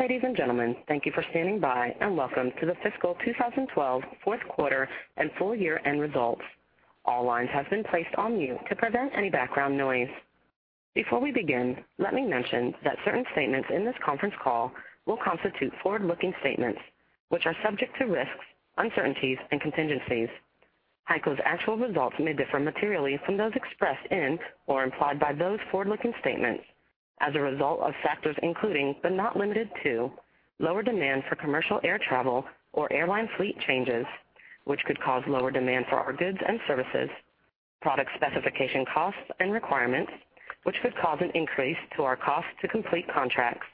Ladies and gentlemen, thank you for standing by, and welcome to the fiscal 2012 fourth quarter and full year-end results. All lines have been placed on mute to prevent any background noise. Before we begin, let me mention that certain statements in this conference call will constitute forward-looking statements, which are subject to risks, uncertainties, and contingencies. HEICO's actual results may differ materially from those expressed in or implied by those forward-looking statements as a result of factors including, but not limited to, lower demand for commercial air travel or airline fleet changes, which could cause lower demand for our goods and services, product specification costs and requirements, which could cause an increase to our cost to complete contracts,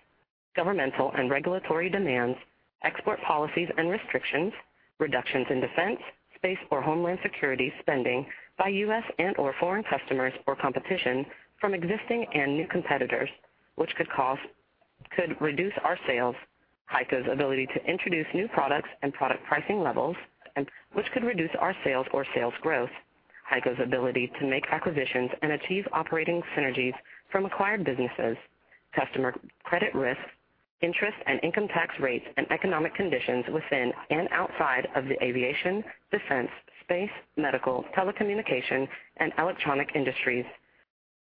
governmental and regulatory demands, export policies and restrictions, reductions in defense, space or homeland security spending by U.S. and/or foreign customers or competition from existing and new competitors, which could reduce our sales, HEICO's ability to introduce new products and product pricing levels, which could reduce our sales or sales growth, HEICO's ability to make acquisitions and achieve operating synergies from acquired businesses, customer credit risk, interest and income tax rates and economic conditions within and outside of the aviation, defense, space, medical, telecommunication, and electronic industries,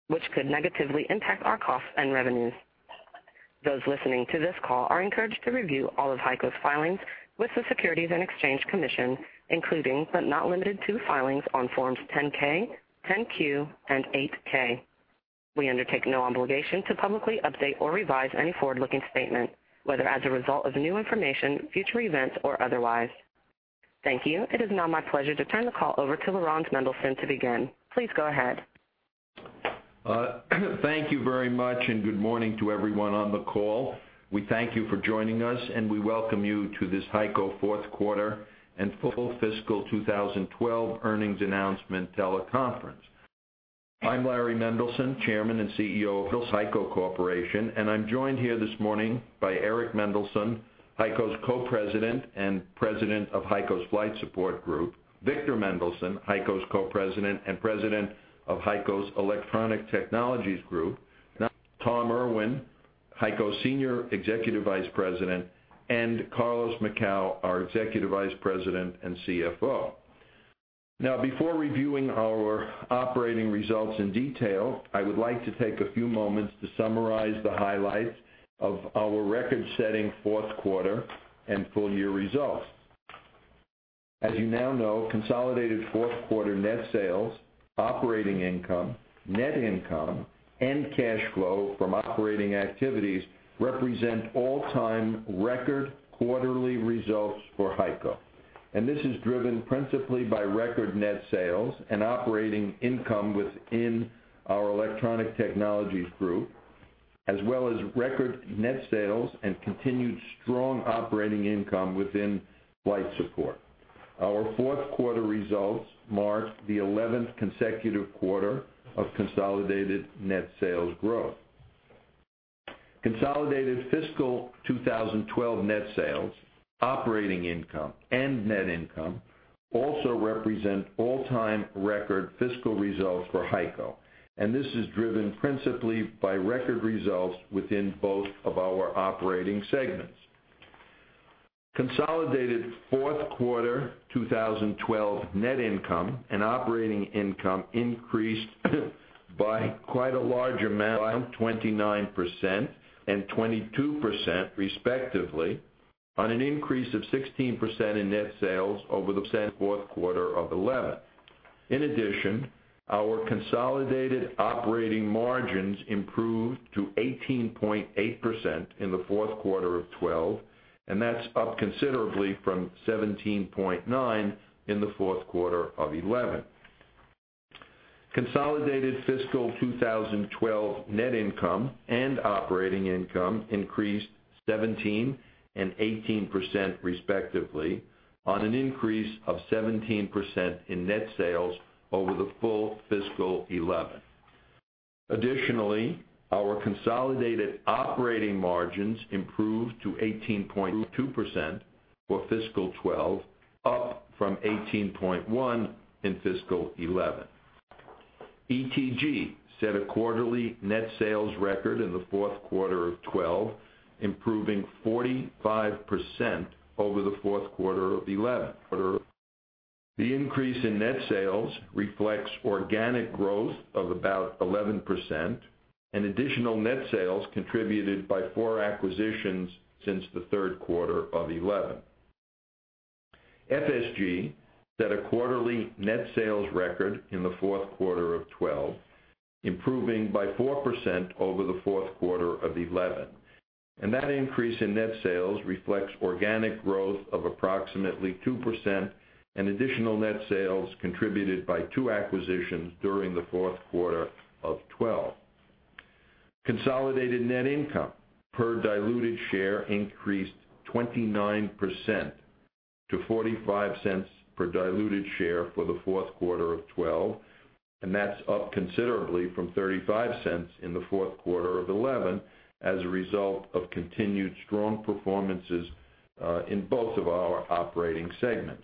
which could negatively impact our costs and revenues. Those listening to this call are encouraged to review all of HEICO's filings with the Securities and Exchange Commission, including, but not limited to, filings on Forms 10-K, 10-Q, and 8-K. We undertake no obligation to publicly update or revise any forward-looking statement, whether as a result of new information, future events, or otherwise. Thank you. It is now my pleasure to turn the call over to Laurans Mendelson to begin. Please go ahead. Thank you very much, and good morning to everyone on the call. We thank you for joining us, and we welcome you to this HEICO fourth quarter and full fiscal 2012 earnings announcement teleconference. I'm Larry Mendelson, Chairman and CEO of HEICO Corporation, and I'm joined here this morning by Eric Mendelson, HEICO's Co-President and President of HEICO's Flight Support Group, Victor Mendelson, HEICO's Co-President and President of HEICO's Electronic Technologies Group, Tom Irwin, HEICO's Senior Executive Vice President, and Carlos Macau, our Executive Vice President and CFO. Before reviewing our operating results in detail, I would like to take a few moments to summarize the highlights of our record-setting fourth quarter and full year results. As you now know, consolidated fourth quarter net sales, operating income, net income, and cash flow from operating activities represent all-time record quarterly results for HEICO. This is driven principally by record net sales and operating income within our Electronic Technologies Group, as well as record net sales and continued strong operating income within Flight Support. Our fourth quarter results mark the 11th consecutive quarter of consolidated net sales growth. Consolidated fiscal 2012 net sales, operating income, and net income also represent all-time record fiscal results for HEICO, this is driven principally by record results within both of our operating segments. Consolidated fourth quarter 2012 net income and operating income increased by quite a large amount, 29% and 22% respectively, on an increase of 16% in net sales over the fourth quarter of 2011. Our consolidated operating margins improved to 18.8% in the fourth quarter of 2012, and that's up considerably from 17.9% in the fourth quarter of 2011. Consolidated fiscal 2012 net income and operating income increased 17% and 18% respectively on an increase of 17% in net sales over the full fiscal 2011. Our consolidated operating margins improved to 18.2% for fiscal 2012, up from 18.1% in fiscal 2011. ETG set a quarterly net sales record in the fourth quarter of 2012, improving 45% over the fourth quarter of 2011. The increase in net sales reflects organic growth of about 11% and additional net sales contributed by four acquisitions since the third quarter of 2011. FSG set a quarterly net sales record in the fourth quarter of 2012, improving by 4% over the fourth quarter of 2011. That increase in net sales reflects organic growth of approximately 2% and additional net sales contributed by two acquisitions during the fourth quarter of 2012. Consolidated net income per diluted share increased 29% to $0.45 per diluted share for the fourth quarter of 2012, and that's up considerably from $0.35 in the fourth quarter of 2011 as a result of continued strong performances in both of our operating segments.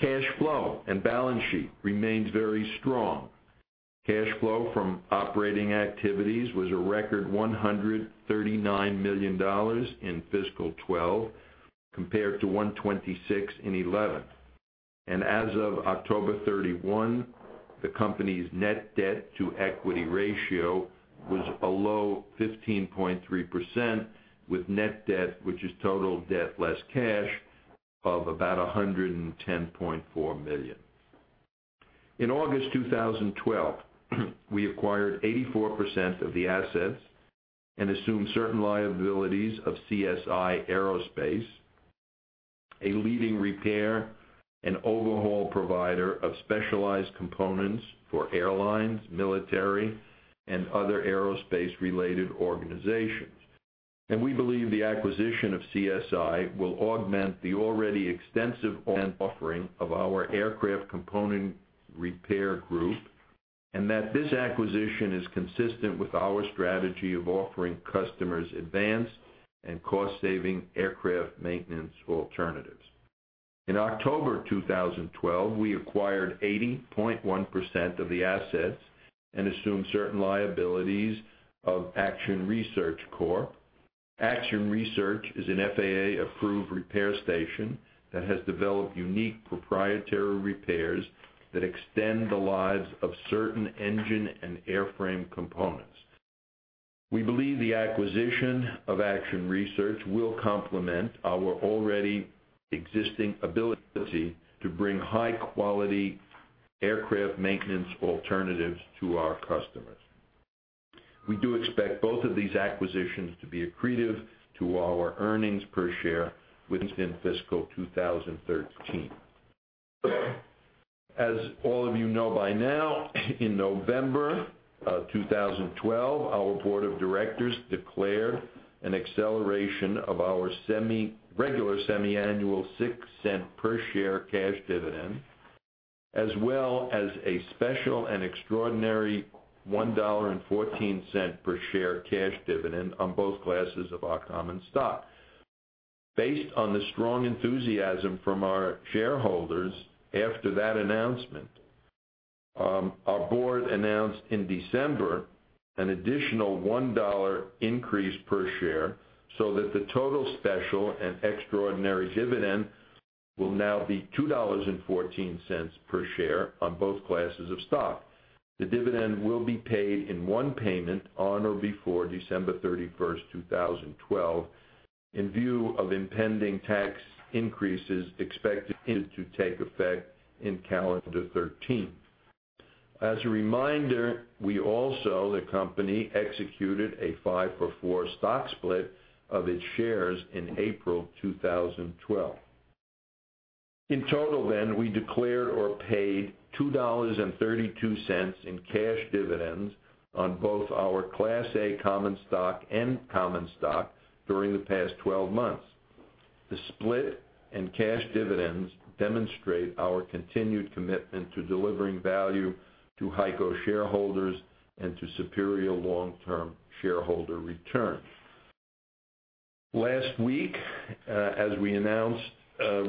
Cash flow and balance sheet remains very strong. Cash flow from operating activities was a record $139 million in fiscal 2012 compared to $126 million in 2011. As of October 31, the company's net debt to equity ratio was below 15.3% with net debt, which is total debt less cash, of about $110.4 million. In August 2012, we acquired 84% of the assets and assumed certain liabilities of CSI Aerospace, a leading repair and overhaul provider of specialized components for airlines, military, and other aerospace-related organizations. We believe the acquisition of CSI will augment the already extensive offering of our aircraft component repair group, and that this acquisition is consistent with our strategy of offering customers advanced and cost-saving aircraft maintenance alternatives. In October 2012, we acquired 80.1% of the assets and assumed certain liabilities of Action Research Corp. Action Research is an FAA-approved repair station that has developed unique proprietary repairs that extend the lives of certain engine and airframe components. We believe the acquisition of Action Research will complement our already existing ability to bring high-quality aircraft maintenance alternatives to our customers. We do expect both of these acquisitions to be accretive to our earnings per share within fiscal 2013. As all of you know by now, in November 2012, our board of directors declared an acceleration of our regular semi-annual $0.06 per share cash dividend, as well as a special and extraordinary $1.14 per share cash dividend on both classes of our common stock. Based on the strong enthusiasm from our shareholders after that announcement, our board announced in December an additional $1 increase per share so that the total special and extraordinary dividend will now be $2.14 per share on both classes of stock. The dividend will be paid in one payment on or before December 31, 2012, in view of impending tax increases expected to take effect in calendar 2013. As a reminder, we also, the company, executed a five-for-four stock split of its shares in April 2012. In total, we declared or paid $2.32 in cash dividends on both our Class A common stock and common stock during the past 12 months. The split and cash dividends demonstrate our continued commitment to delivering value to HEICO shareholders and to superior long-term shareholder return. Last week, as we announced,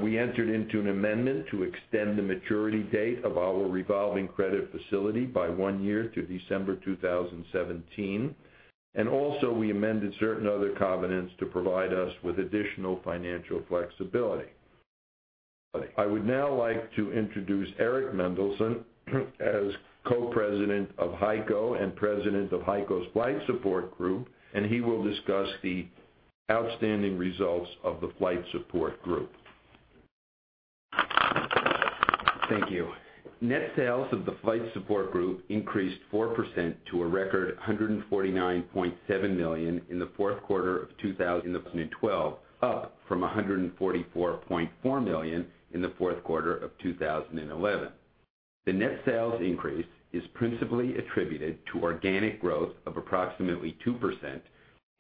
we entered into an amendment to extend the maturity date of our revolving credit facility by one year to December 2017. We also amended certain other covenants to provide us with additional financial flexibility. I would now like to introduce Eric Mendelson as Co-President of HEICO and President of HEICO's Flight Support Group. He will discuss the outstanding results of the Flight Support Group. Thank you. Net sales of the Flight Support Group increased 4% to a record $149.7 million in the fourth quarter 2012, up from $144.4 million in the fourth quarter 2011. The net sales increase is principally attributed to organic growth of approximately 2%,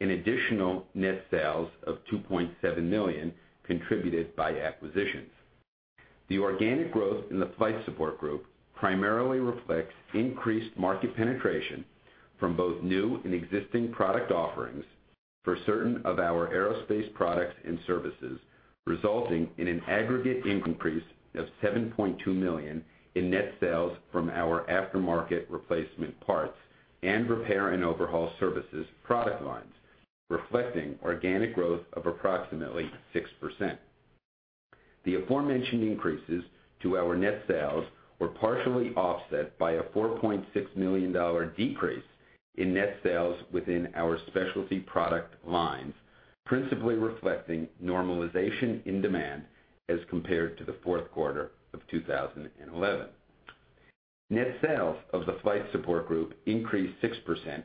an additional net sales of $2.7 million contributed by acquisitions. The organic growth in the Flight Support Group primarily reflects increased market penetration from both new and existing product offerings for certain of our aerospace products and services, resulting in an aggregate increase of $7.2 million in net sales from our aftermarket replacement parts and repair and overhaul services product lines, reflecting organic growth of approximately 6%. The aforementioned increases to our net sales were partially offset by a $4.6 million decrease in net sales within our specialty product lines, principally reflecting normalization in demand as compared to the fourth quarter 2011. Net sales of the Flight Support Group increased 6%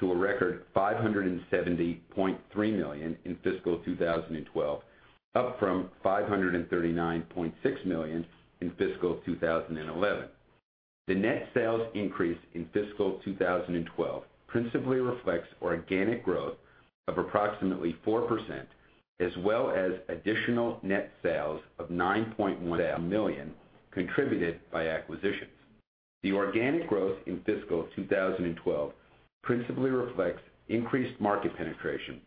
to a record $570.3 million in fiscal 2012, up from $539.6 million in fiscal 2011. The net sales increase in fiscal 2012 principally reflects organic growth of approximately 4%, as well as additional net sales of $9.1 million contributed by acquisitions. The organic growth in fiscal 2012 principally reflects increased market penetration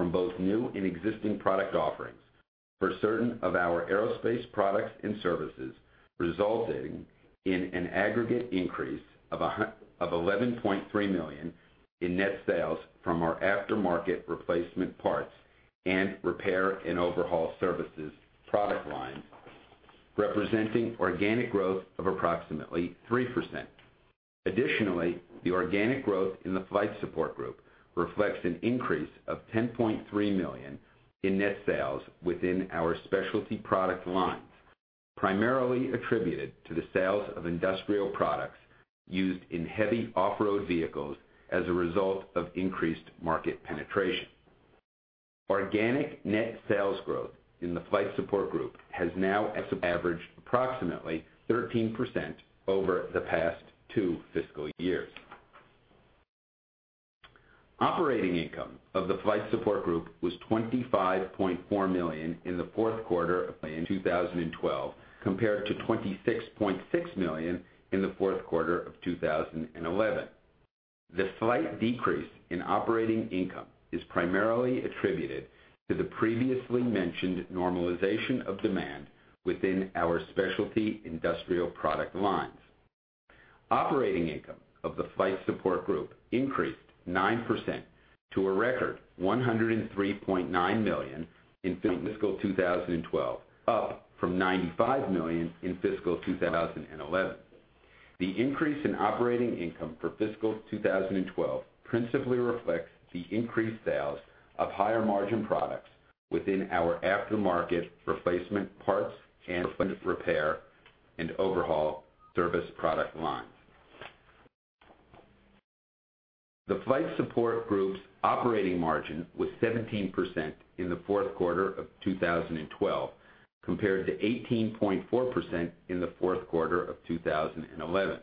from both new and existing product offerings for certain of our aerospace products and services, resulting in an aggregate increase of $11.3 million in net sales from our aftermarket replacement parts and repair and overhaul services product lines, representing organic growth of approximately 3%. Additionally, the organic growth in the Flight Support Group reflects an increase of $10.3 million in net sales within our specialty product lines, primarily attributed to the sales of industrial products used in heavy off-road vehicles as a result of increased market penetration. Organic net sales growth in the Flight Support Group has now averaged approximately 13% over the past two fiscal years. Operating income of the Flight Support Group was $25.4 million in the fourth quarter of 2012, compared to $26.6 million in the fourth quarter of 2011. The slight decrease in operating income is primarily attributed to the previously mentioned normalization of demand within our specialty industrial product lines. Operating income of the Flight Support Group increased 9% to a record $103.9 million in fiscal 2012, up from $95 million in fiscal 2011. The increase in operating income for fiscal 2012 principally reflects the increased sales of higher margin products within our aftermarket replacement parts and repair and overhaul service product lines. The Flight Support Group's operating margin was 17% in the fourth quarter of 2012, compared to 18.4% in the fourth quarter of 2011.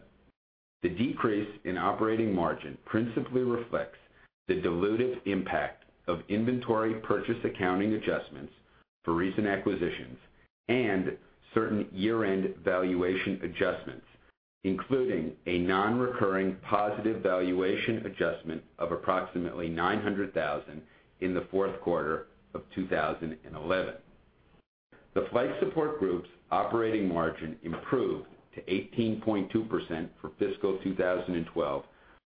The decrease in operating margin principally reflects the dilutive impact of inventory purchase accounting adjustments for recent acquisitions and certain year-end valuation adjustments, including a non-recurring positive valuation adjustment of approximately $900,000 in the fourth quarter of 2011. The Flight Support Group's operating margin improved to 18.2% for fiscal 2012,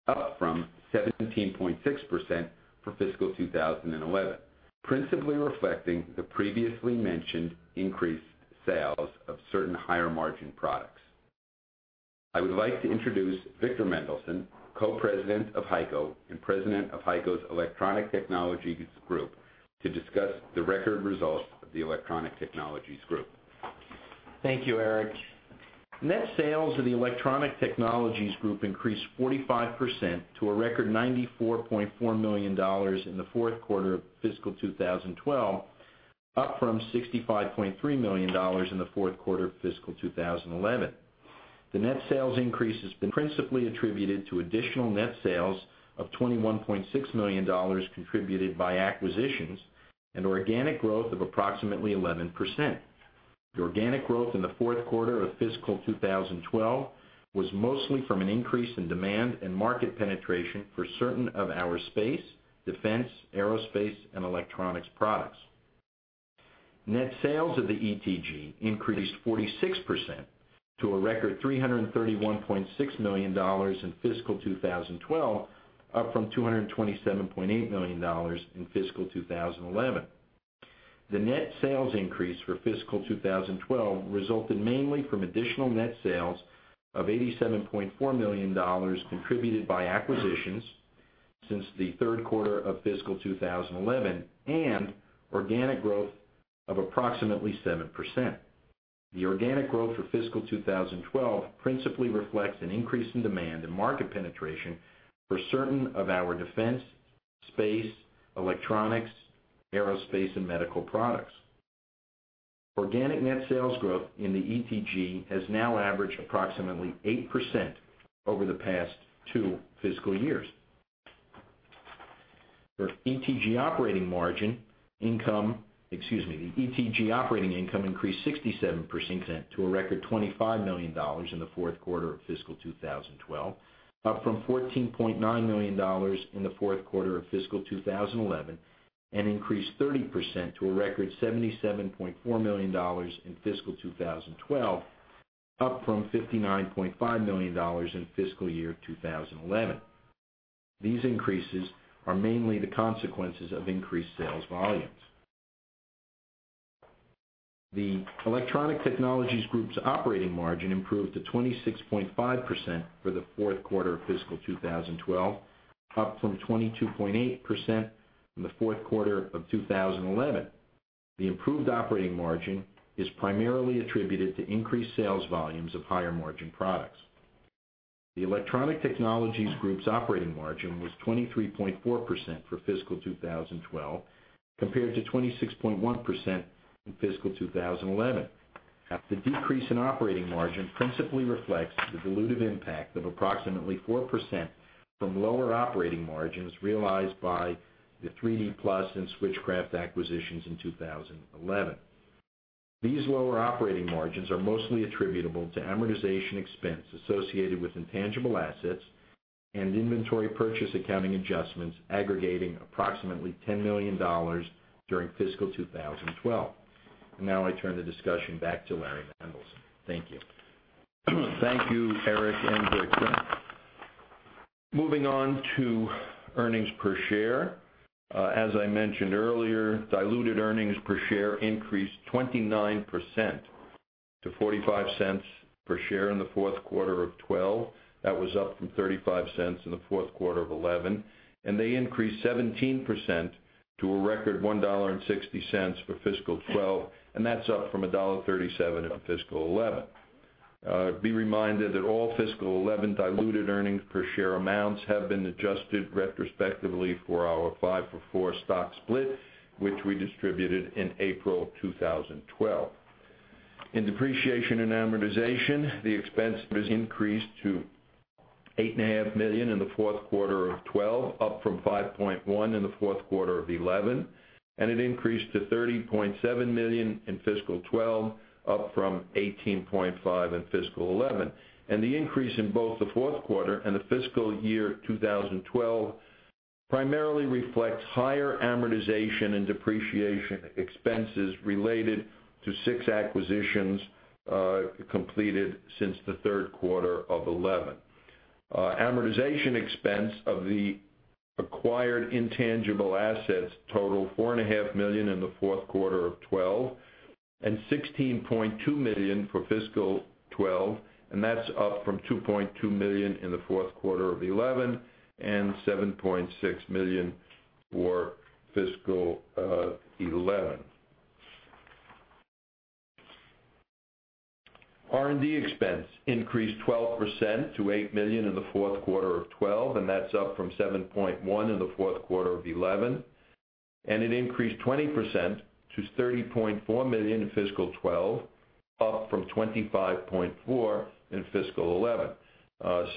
up from 17.6% for fiscal 2011, principally reflecting the previously mentioned increased sales of certain higher margin products. I would like to introduce Victor Mendelson, Co-President of HEICO and President of HEICO's Electronic Technologies Group, to discuss the record results of the Electronic Technologies Group. Thank you, Eric. Net sales of the Electronic Technologies Group increased 45% to a record $94.4 million in the fourth quarter of fiscal 2012, up from $65.3 million in the fourth quarter of fiscal 2011. The net sales increase has been principally attributed to additional net sales of $21.6 million contributed by acquisitions and organic growth of approximately 11%. The organic growth in the fourth quarter of fiscal 2012 was mostly from an increase in demand and market penetration for certain of our space, defense, aerospace, and electronics products. Net sales of the ETG increased 46% to a record $331.6 million in fiscal 2012, up from $227.8 million in fiscal 2011. The net sales increase for fiscal 2012 resulted mainly from additional net sales of $87.4 million contributed by acquisitions since the third quarter of fiscal 2011 and organic growth of approximately 7%. The organic growth for fiscal 2012 principally reflects an increase in demand and market penetration for certain of our defense, space, electronics, aerospace, and medical products. Organic net sales growth in the ETG has now averaged approximately 8% over the past two fiscal years. The ETG operating income increased 67% to a record $25 million in the fourth quarter of fiscal 2012, up from $14.9 million in the fourth quarter of fiscal 2011, and increased 30% to a record $77.4 million in fiscal 2012, up from $59.5 million in fiscal year 2011. These increases are mainly the consequences of increased sales volumes. The Electronic Technologies Group's operating margin improved to 26.5% for the fourth quarter of fiscal 2012, up from 22.8% in the fourth quarter of 2011. The improved operating margin is primarily attributed to increased sales volumes of higher margin products. The Electronic Technologies Group's operating margin was 23.4% for fiscal 2012, compared to 26.1% in fiscal 2011. The decrease in operating margin principally reflects the dilutive impact of approximately 4% from lower operating margins realized by the 3D Plus and Switchcraft acquisitions in 2011. These lower operating margins are mostly attributable to amortization expense associated with intangible assets and inventory purchase accounting adjustments aggregating approximately $10 million during fiscal 2012. Now I turn the discussion back to Larry Mendelson. Thank you. Thank you, Eric and Victor. Moving on to earnings per share. As I mentioned earlier, diluted earnings per share increased 29% to $0.45 per share in the fourth quarter of 2012. That was up from $0.35 in the fourth quarter of 2011, and they increased 17% to a record $1.60 for fiscal 2012, and that's up from $1.37 in fiscal 2011. Be reminded that all fiscal 2011 diluted earnings per share amounts have been adjusted retrospectively for our five-for-four stock split, which we distributed in April 2012. In depreciation and amortization, the expense was increased to $8.5 million in the fourth quarter of 2012, up from $5.1 million in the fourth quarter of 2011, and it increased to $30.7 million in fiscal 2012, up from $18.5 million in fiscal 2011. The increase in both the fourth quarter and the fiscal year 2012 primarily reflects higher amortization and depreciation expenses related to six acquisitions completed since the third quarter of 2011. Amortization expense of the acquired intangible assets total $4.5 million in the fourth quarter of 2012 and $16.2 million for fiscal 2012, and that's up from $2.2 million in the fourth quarter of 2011 and $7.6 million for fiscal 2011. R&D expense increased 12% to $8 million in the fourth quarter of 2012, and that's up from $7.1 million in the fourth quarter of 2011. It increased 20% to $30.4 million in fiscal 2012, up from $25.4 million in fiscal 2011.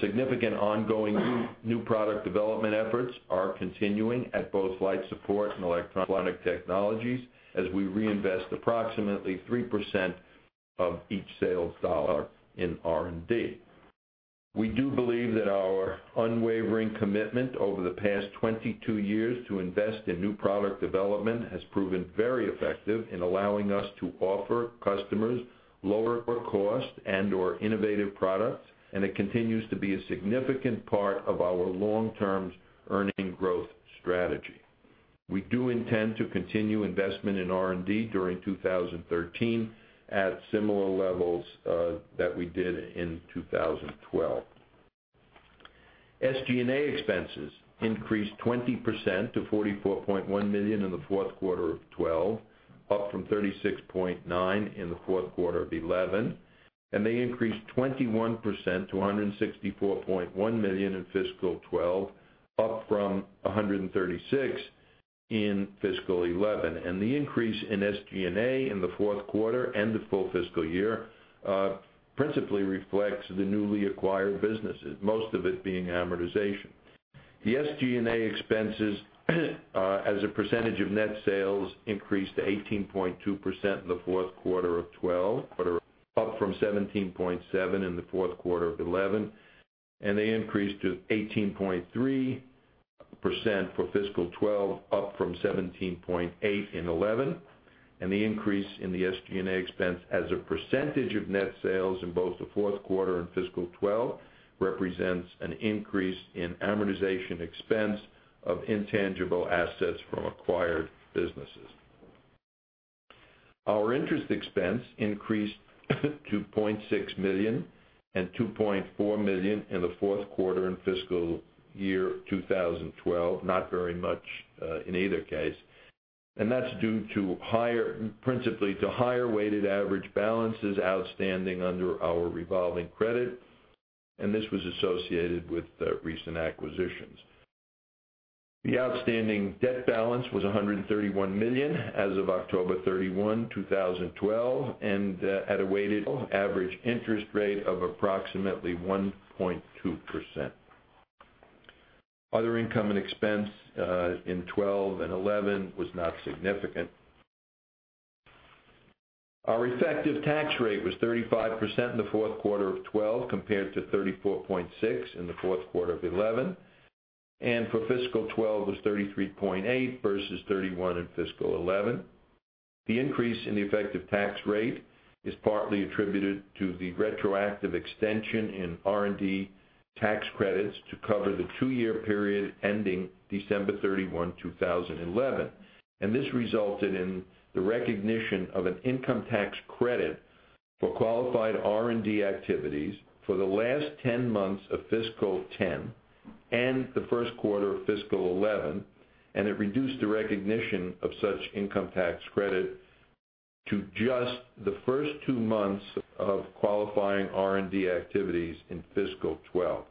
Significant ongoing new product development efforts are continuing at both Flight Support and Electronic Technologies as we reinvest approximately 3% of each sales dollar in R&D. We do believe that our unwavering commitment over the past 22 years to invest in new product development has proven very effective in allowing us to offer customers lower cost and/or innovative products, and it continues to be a significant part of our long-term earnings growth strategy. We do intend to continue investment in R&D during 2013 at similar levels that we did in 2012. SG&A expenses increased 20% to $44.1 million in the fourth quarter of 2012, up from $36.9 million in the fourth quarter of 2011, and they increased 21% to $164.1 million in fiscal 2012, up from $136 million in fiscal 2011. The increase in SG&A in the fourth quarter and the full fiscal year principally reflects the newly acquired businesses, most of it being amortization. The SG&A expenses as a percentage of net sales increased to 18.2% in the fourth quarter of 2012, up from 17.7% in the fourth quarter of 2011. They increased to 18.3% for fiscal 2012, up from 17.8% in 2011. The increase in the SG&A expense as a percentage of net sales in both the fourth quarter and fiscal 2012 represents an increase in amortization expense of intangible assets from acquired businesses. Our interest expense increased to $0.6 million and $2.4 million in the fourth quarter in fiscal year 2012, not very much in either case. That's due principally to higher weighted average balances outstanding under our revolving credit. This was associated with the recent acquisitions. The outstanding debt balance was $131 million as of October 31, 2012, at a weighted average interest rate of approximately 1.2%. Other income and expense in 2012 and 2011 was not significant. Our effective tax rate was 35% in the fourth quarter of 2012 compared to 34.6% in the fourth quarter of 2011. For fiscal 2012 was 33.8% versus 31% in fiscal 2011. The increase in the effective tax rate is partly attributed to the retroactive extension in R&D tax credits to cover the two-year period ending December 31, 2011. This resulted in the recognition of an income tax credit for qualified R&D activities for the last 10 months of fiscal 2010 and the first quarter of fiscal 2011. It reduced the recognition of such income tax credit to just the first two months of qualifying R&D activities in fiscal 2012.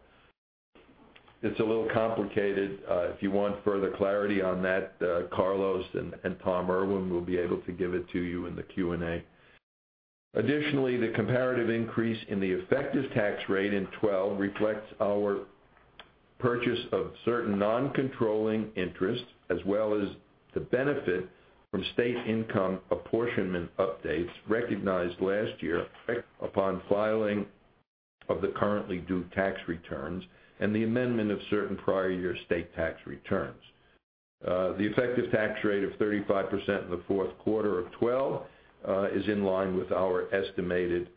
It's a little complicated. If you want further clarity on that, Carlos and Tom Irwin will be able to give it to you in the Q&A. Additionally, the comparative increase in the effective tax rate in 2012 reflects our purchase of certain non-controlling interests, as well as the benefit from state income apportionment updates recognized last year upon filing of the currently due tax returns and the amendment of certain prior year state tax returns. The effective tax rate of 35% in the fourth quarter of 2012 is in line with our estimated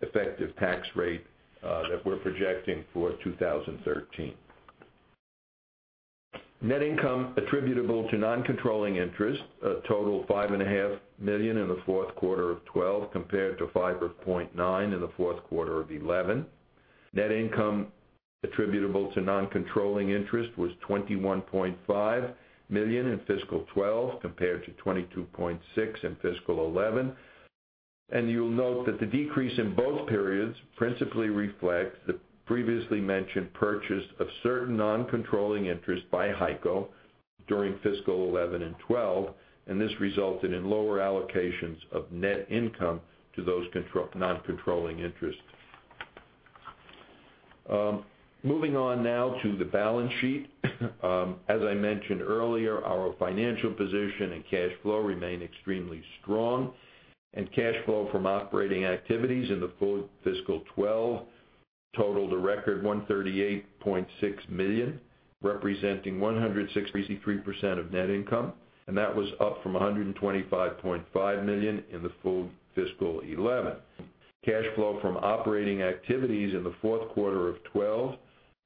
effective tax rate that we're projecting for 2013. Net income attributable to non-controlling interest, a total $5.5 million in the fourth quarter of 2012 compared to $5.9 million in the fourth quarter of 2011. Net income attributable to non-controlling interest was $21.5 million in fiscal 2012 compared to $22.6 million in fiscal 2011. You'll note that the decrease in both periods principally reflect the previously mentioned purchase of certain non-controlling interest by HEICO during fiscal 2011 and 2012. This resulted in lower allocations of net income to those non-controlling interests. Moving on now to the balance sheet. As I mentioned earlier, our financial position and cash flow remain extremely strong. Cash flow from operating activities in the full fiscal 2012 totaled a record $138.6 million, representing 163% of net income. That was up from $125.5 million in the full fiscal 2011. Cash flow from operating activities in the fourth quarter of 2012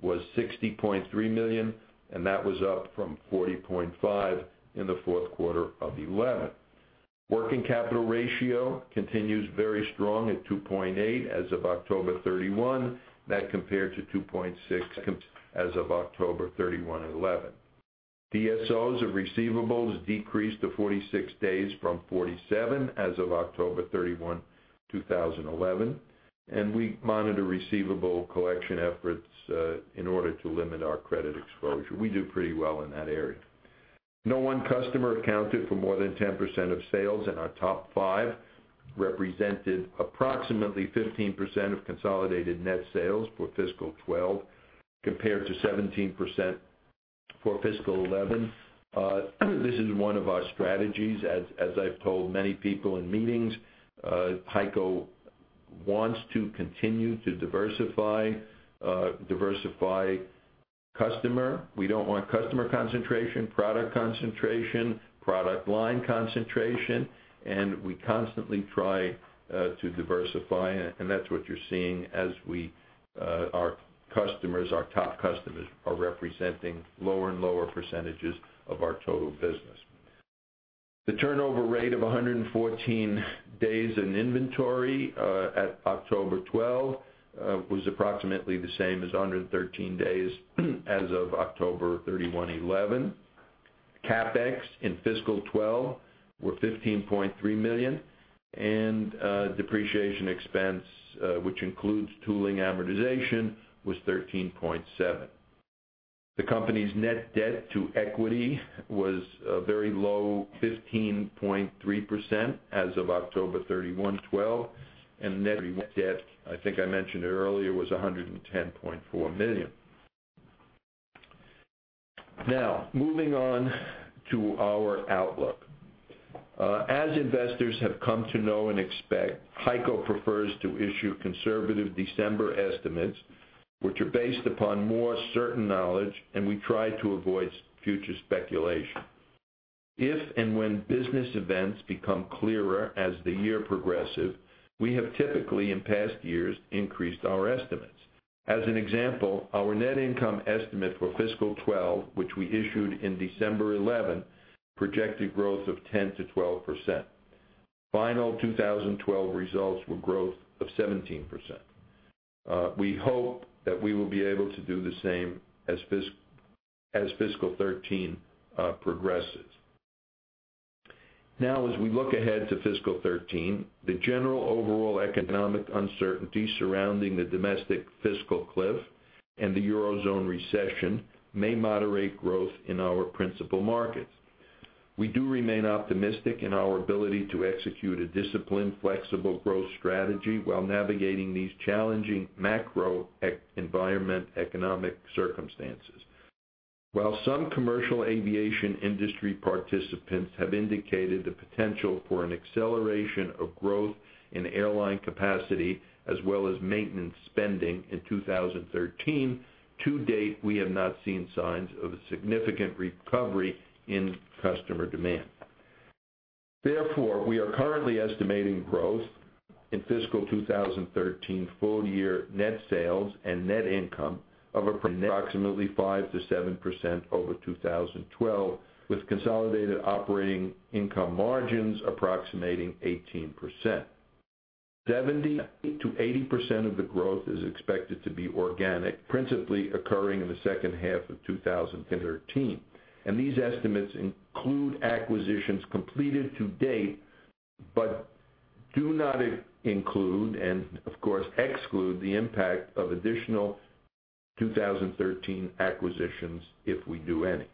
was $60.3 million. That was up from $40.5 million in the fourth quarter of 2011. Working capital ratio continues very strong at 2.8 as of October 31. That compared to 2.6 as of October 31, 2011. DSOs of receivables decreased to 46 days from 47 days as of October 31, 2011. We monitor receivable collection efforts in order to limit our credit exposure. We do pretty well in that area. No one customer accounted for more than 10% of sales, and our top five represented approximately 15% of consolidated net sales for fiscal 2012 compared to 17% for fiscal 2011. This is one of our strategies. As I've told many people in meetings, HEICO wants to continue to diversify customer. We don't want customer concentration, product concentration, product line concentration, and we constantly try to diversify, and that's what you're seeing as our top customers are representing lower and lower percentages of our total business. The turnover rate of 114 days in inventory at October 2012 was approximately the same as 113 days as of October 31, 2011. CapEx in fiscal 2012 were $15.3 million, and depreciation expense, which includes tooling amortization, was $13.7 million. The company's net debt to equity was a very low 15.3% as of October 31, 2012, and net debt, I think I mentioned it earlier, was $110.4 million. Moving on to our outlook. As investors have come to know and expect, HEICO prefers to issue conservative December estimates, which are based upon more certain knowledge, and we try to avoid future speculation. If and when business events become clearer as the year progresses, we have typically, in past years, increased our estimates. As an example, our net income estimate for fiscal 2012, which we issued in December 2011, projected growth of 10%-12%. Final 2012 results were growth of 17%. We hope that we will be able to do the same as fiscal 2013 progresses. As we look ahead to fiscal 2013, the general overall economic uncertainty surrounding the domestic fiscal cliff and the Eurozone recession may moderate growth in our principal markets. We do remain optimistic in our ability to execute a disciplined, flexible growth strategy while navigating these challenging macro environment economic circumstances. While some commercial aviation industry participants have indicated the potential for an acceleration of growth in airline capacity as well as maintenance spending in 2013, to date, we have not seen signs of a significant recovery in customer demand. Therefore, we are currently estimating growth in fiscal 2013 full-year net sales and net income of approximately 5%-7% over 2012, with consolidated operating income margins approximating 18%. 70%-80% of the growth is expected to be organic, principally occurring in the second half of 2013. These estimates include acquisitions completed to date, but do not include and of course exclude the impact of additional 2013 acquisitions, if we do any.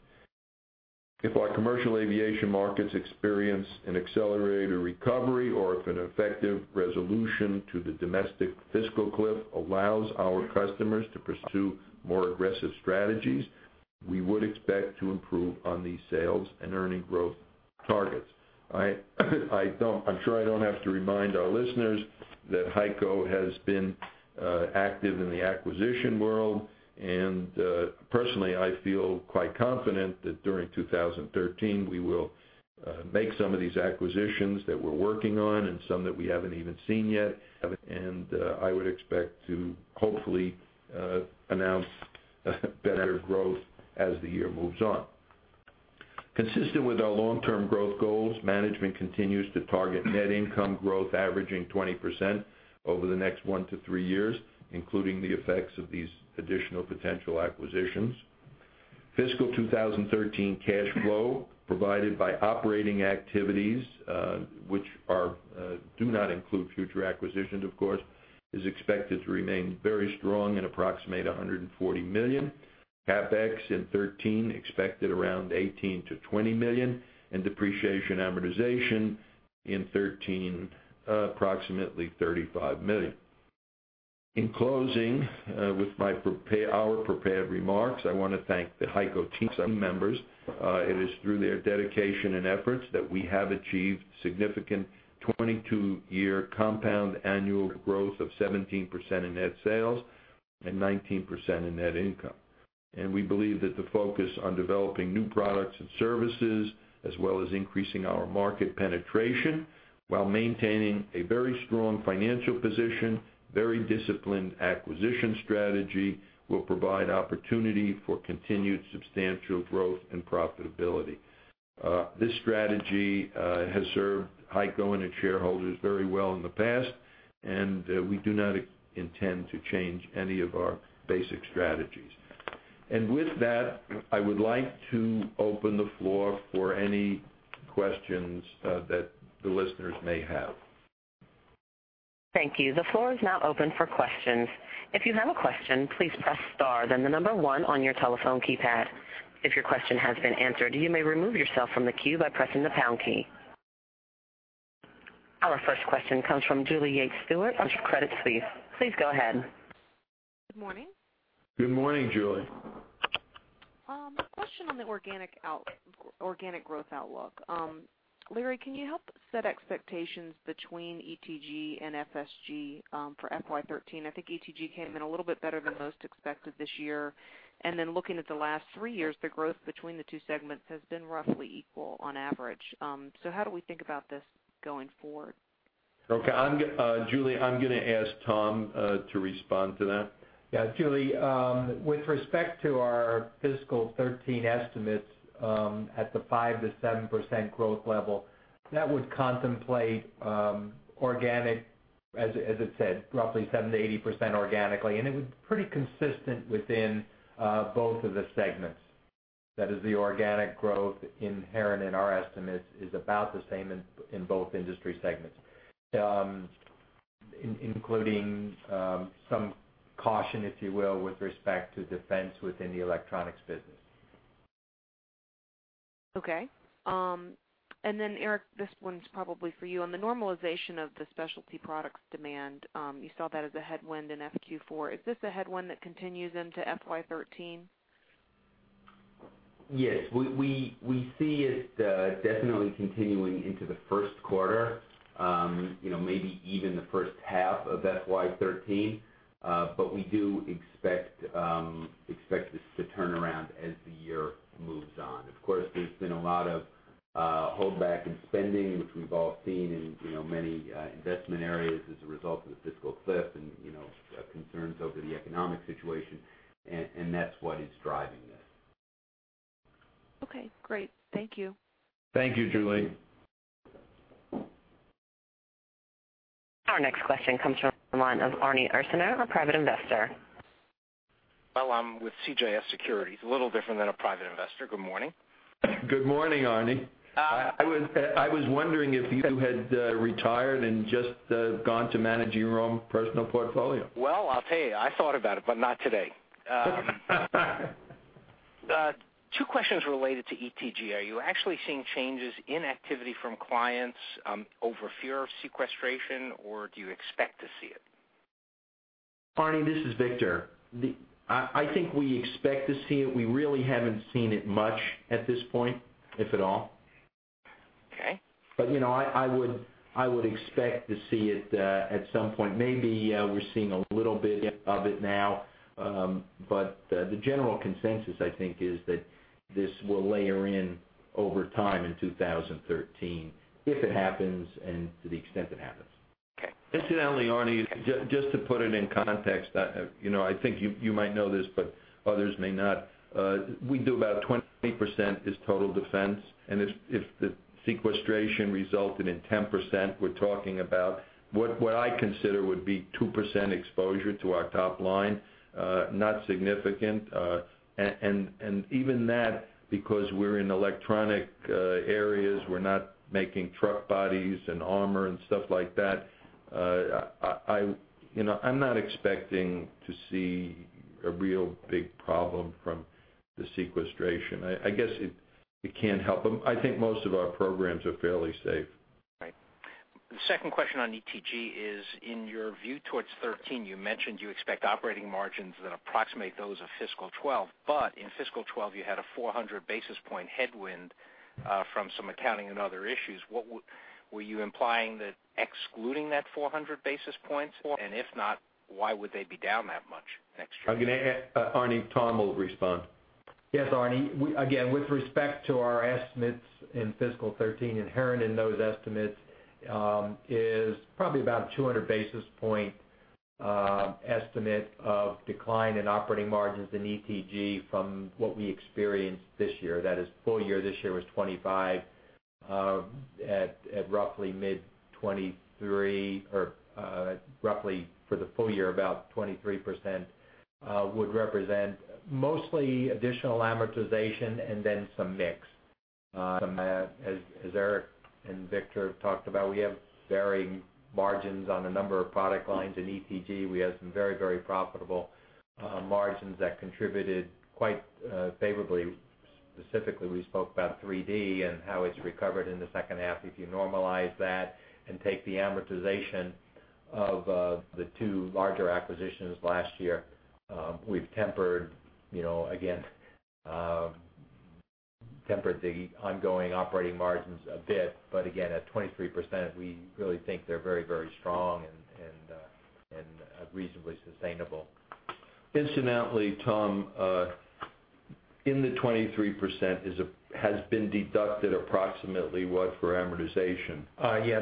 If our commercial aviation markets experience an accelerated recovery, or if an effective resolution to the domestic fiscal cliff allows our customers to pursue more aggressive strategies, we would expect to improve on these sales and earning growth targets. I'm sure I don't have to remind our listeners that HEICO has been active in the acquisition world, and personally, I feel quite confident that during 2013, we will make some of these acquisitions that we're working on and some that we haven't even seen yet. I would expect to hopefully announce better growth as the year moves on. Consistent with our long-term growth goals, management continues to target net income growth averaging 20% over the next one to three years, including the effects of these additional potential acquisitions. Fiscal 2013 cash flow provided by operating activities, which do not include future acquisitions, of course, is expected to remain very strong at $140 million. CapEx in 2013 expected around $18 million-$20 million. Depreciation amortization in 2013, approximately $35 million. In closing, with our prepared remarks, I want to thank the HEICO team members. It is through their dedication and efforts that we have achieved significant 22-year compound annual growth of 17% in net sales and 19% in net income. We believe that the focus on developing new products and services, as well as increasing our market penetration while maintaining a very strong financial position, very disciplined acquisition strategy, will provide opportunity for continued substantial growth and profitability. This strategy has served HEICO and its shareholders very well in the past, and we do not intend to change any of our basic strategies. With that, I would like to open the floor for any questions that the listeners may have. Thank you. The floor is now open for questions. If you have a question, please press star, then the number one on your telephone keypad. If your question has been answered, you may remove yourself from the queue by pressing the pound key. Our first question comes from Julie Yates Stewart with Credit Suisse. Please go ahead. Good morning. Good morning, Julie. A question on the organic growth outlook. Larry, can you help set expectations between ETG and FSG for FY 2013? I think ETG came in a little bit better than most expected this year, looking at the last three years, the growth between the two segments has been roughly equal on average. How do we think about this going forward? Okay. Julie, I'm going to ask Tom to respond to that. Yeah. Julie, with respect to our fiscal 2013 estimates at the 5%-7% growth level, that would contemplate organic, as it said, roughly 70%-80% organically. It was pretty consistent within both of the segments. That is the organic growth inherent in our estimates is about the same in both industry segments, including some caution, if you will, with respect to defense within the electronics business. Okay. Eric, this one's probably for you. On the normalization of the specialty products demand, you saw that as a headwind in FQ4. Is this a headwind that continues into FY 2013? Yes. We see it definitely continuing into the first quarter. Maybe even the first half of FY 2013. We do expect this to turn around as the year moves on. Of course, there's been a lot of holdback in spending, which we've all seen in many investment areas as a result of the fiscal cliff and concerns over the economic situation. That's what is driving this. Okay, great. Thank you. Thank you, Julie. Our next question comes from the line of Arnold Ursaner, a private investor. Well, I'm with CJS Securities, a little different than a private investor. Good morning. Good morning, Arnie. I was wondering if you had retired and just gone to managing your own personal portfolio. Well, I'll tell you, I thought about it, but not today. Two questions related to ETG. Are you actually seeing changes in activity from clients over fear of sequestration, or do you expect to see it? Arnie, this is Victor. I think we expect to see it. We really haven't seen it much at this point, if at all. Okay. I would expect to see it at some point. Maybe we're seeing a little bit of it now. The general consensus, I think, is that this will layer in over time in 2013, if it happens, and to the extent it happens. Okay. Incidentally, Arnie, just to put it in context, I think you might know this, but others may not. We do about 20% is total defense, and if the sequestration resulted in 10%, we're talking about what I consider would be 2% exposure to our top line. Not significant. Even that, because we're in electronic areas, we're not making truck bodies and armor and stuff like that. I'm not expecting to see a real big problem from the sequestration. I guess it can't help them. I think most of our programs are fairly safe. Right. The second question on ETG is, in your view towards 2013, you mentioned you expect operating margins that approximate those of fiscal 2012. In fiscal 2012, you had a 400 basis point headwind from some accounting and other issues. Were you implying that excluding that 400 basis points? If not, why would they be down that much next year? I'm going to add, Arnie, Tom will respond. Yes, Arnie. Again, with respect to our estimates in fiscal 2013, inherent in those estimates, is probably about a 200 basis points estimate of decline in operating margins in ETG from what we experienced this year. That is, full year this year was 25%, at roughly mid-23%, or roughly for the full year, about 23%, would represent mostly additional amortization and then some mix. As Eric and Victor talked about, we have varying margins on a number of product lines in ETG. We have some very profitable margins that contributed quite favorably. Specifically, we spoke about 3D and how it's recovered in the second half. If you normalize that and take the amortization of the two larger acquisitions last year, we've tempered the ongoing operating margins a bit. Again, at 23%, we really think they're very strong and reasonably sustainable. Incidentally, Tom, in the 23% has been deducted approximately what for amortization?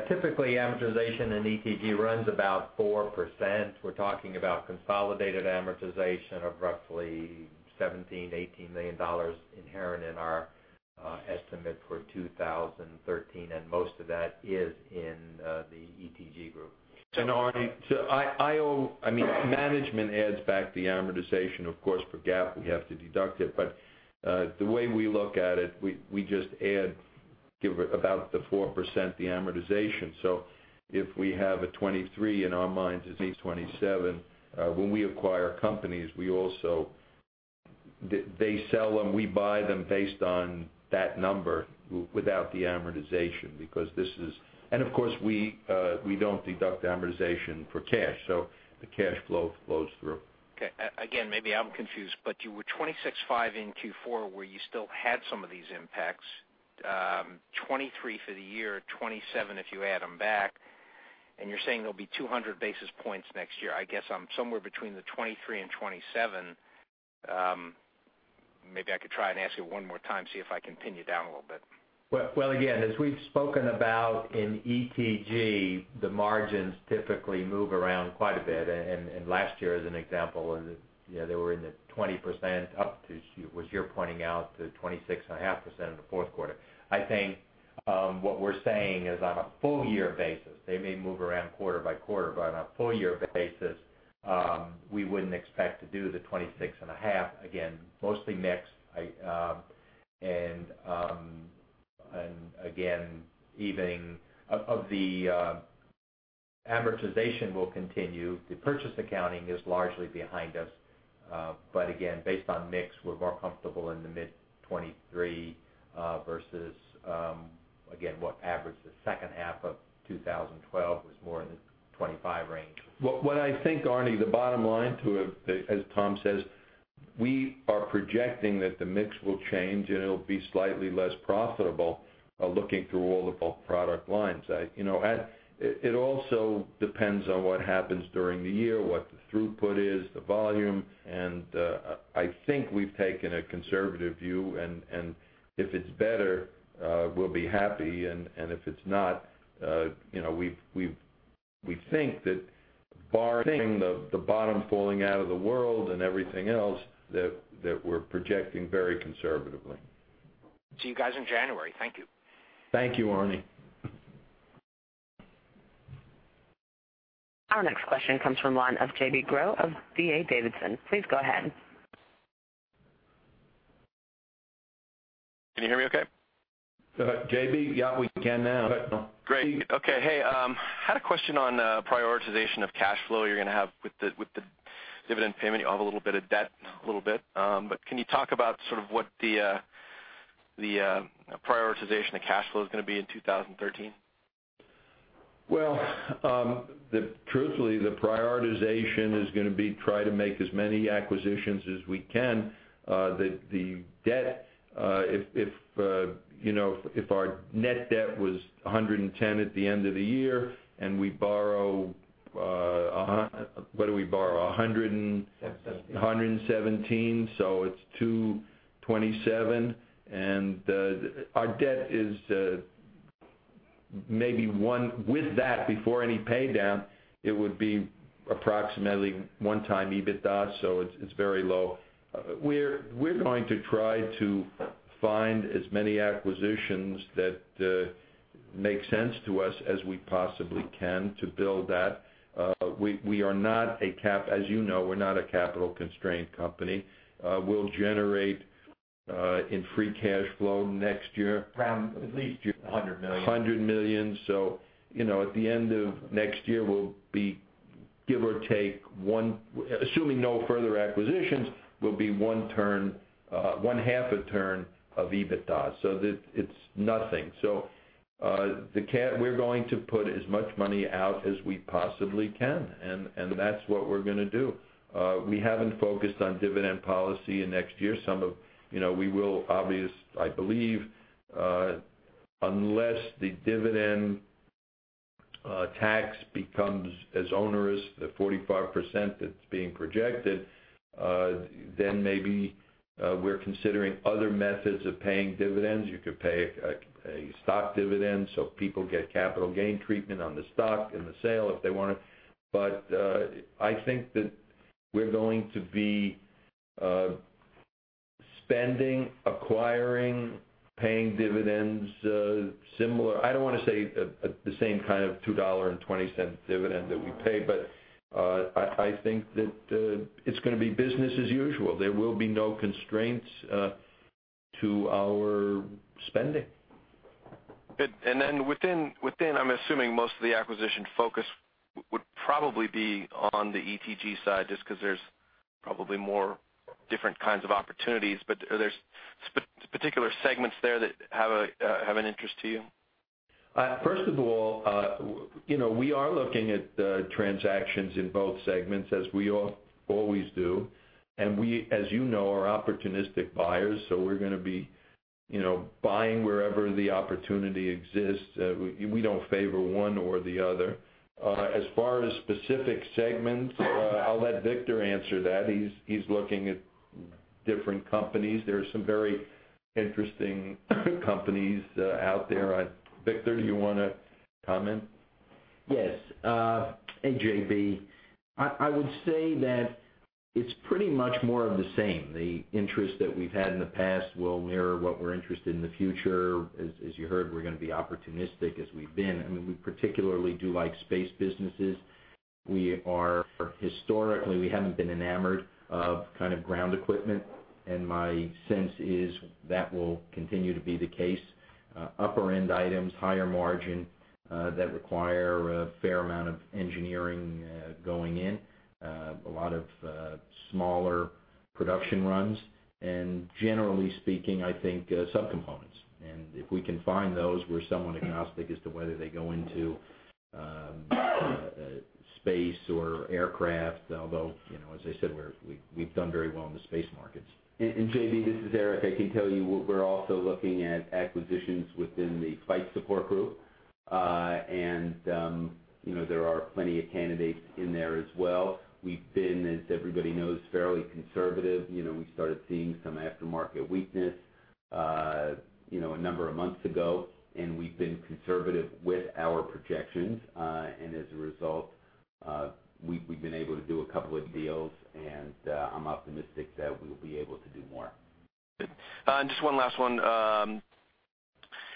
Typically, amortization in ETG runs about 4%. We're talking about consolidated amortization of roughly $17 million-$18 million inherent in our estimate for 2013, and most of that is in the ETG Group. Arnie, management adds back the amortization, of course, per GAAP, we have to deduct it. The way we look at it, we just add about the 4%, the amortization. If we have a 23, in our minds, it is a 27. When we acquire companies, they sell them, we buy them based on that number without the amortization. Of course, we do not deduct amortization for cash, so the cash flow flows through. Okay. Again, maybe I am confused, you were 26.5 in Q4, where you still had some of these impacts. 23 for the year, 27 if you add them back, and you are saying there will be 200 basis points next year. I guess I am somewhere between the 23 and 27. Maybe I could try and ask you one more time, see if I can pin you down a little bit. Well, again, as we have spoken about in ETG, the margins typically move around quite a bit. Last year, as an example, they were in the 20% up to, what you are pointing out, to 26.5% in the fourth quarter. I think what we are saying is on a full year basis, they may move around quarter by quarter, on a full year basis, we would not expect to do the 26 and a half again, mostly mix. Again, evening of the amortization will continue. The purchase accounting is largely behind us. Again, based on mix, we are more comfortable in the mid 23, versus again, what averaged the second half of 2012 was more in the 25 range. What I think, Arnie, the bottom line to it, as Tom says, we are projecting that the mix will change, and it will be slightly less profitable looking through all of our product lines. It also depends on what happens during the year, what the throughput is, the volume, I think we have taken a conservative view. If it is better, we will be happy. If it is not, we think that barring the bottom falling out of the world and everything else, that we are projecting very conservatively. See you guys in January. Thank you. Thank you, Arnie. Our next question comes from the line of J.B. Groh of D.A. Davidson. Please go ahead. Can you hear me okay? J.B.? Yeah, we can now. Great. Okay. Hey, had a question on prioritization of cash flow you're going to have with the dividend payment. You have a little bit of debt, a little bit. Can you talk about what the prioritization of cash flow is going to be in 2013? Well, truthfully, the prioritization is going to be try to make as many acquisitions as we can. The debt, if our net debt was $110 at the end of the year and we borrow, what do we borrow? $117. It's $227, and our debt is maybe 1 with that before any pay down, it would be approximately 1 time EBITDA, so it's very low. We're going to try to find as many acquisitions that make sense to us as we possibly can to build that. As you know, we're not a capital-constrained company. We'll generate in free cash flow next year- Around at least $100 million. $100 million. At the end of next year, we'll be give or take, assuming no further acquisitions, will be one half a turn of EBITDA. It's nothing. We're going to put as much money out as we possibly can, and that's what we're going to do. We haven't focused on dividend policy in next year. I believe, unless the dividend tax becomes as onerous, the 45% that's being projected, then maybe we're considering other methods of paying dividends. You could pay a stock dividend so people get capital gain treatment on the stock and the sale if they want it. I think that we're going to be spending, acquiring, paying dividends, similar I don't want to say the same kind of $2.20 dividend that we pay, but I think that it's going to be business as usual. There will be no constraints to our spending. Within, I'm assuming, most of the acquisition focus would probably be on the ETG side, just because there's probably more different kinds of opportunities, but are there particular segments there that have an interest to you? First of all, we are looking at transactions in both segments as we always do. We, as you know, are opportunistic buyers, we're going to be buying wherever the opportunity exists. We don't favor one or the other. As far as specific segments, I'll let Victor answer that. He's looking at different companies. There are some very interesting companies out there. Victor, do you want to comment? Yes. Hey, J.B. I would say that it's pretty much more of the same. The interest that we've had in the past will mirror what we're interested in the future. As you heard, we're going to be opportunistic as we've been. I mean, we particularly do like space businesses. Historically, we haven't been enamored of ground equipment, and my sense is that will continue to be the case. Upper end items, higher margin, that require a fair amount of engineering going in. A lot of smaller production runs. Generally speaking, I think, sub-components. If we can find those, we're somewhat agnostic as to whether they go into space or aircraft, although, as I said, we've done very well in the space markets. J.B., this is Eric. I can tell you, we're also looking at acquisitions within the Flight Support Group. There are plenty of candidates in there as well. We've been, as everybody knows, fairly conservative. We started seeing some aftermarket weakness a number of months ago, and we've been conservative with our projections. As a result, we've been able to do a couple of deals, and I'm optimistic that we'll be able to do more. Good. Just one last one.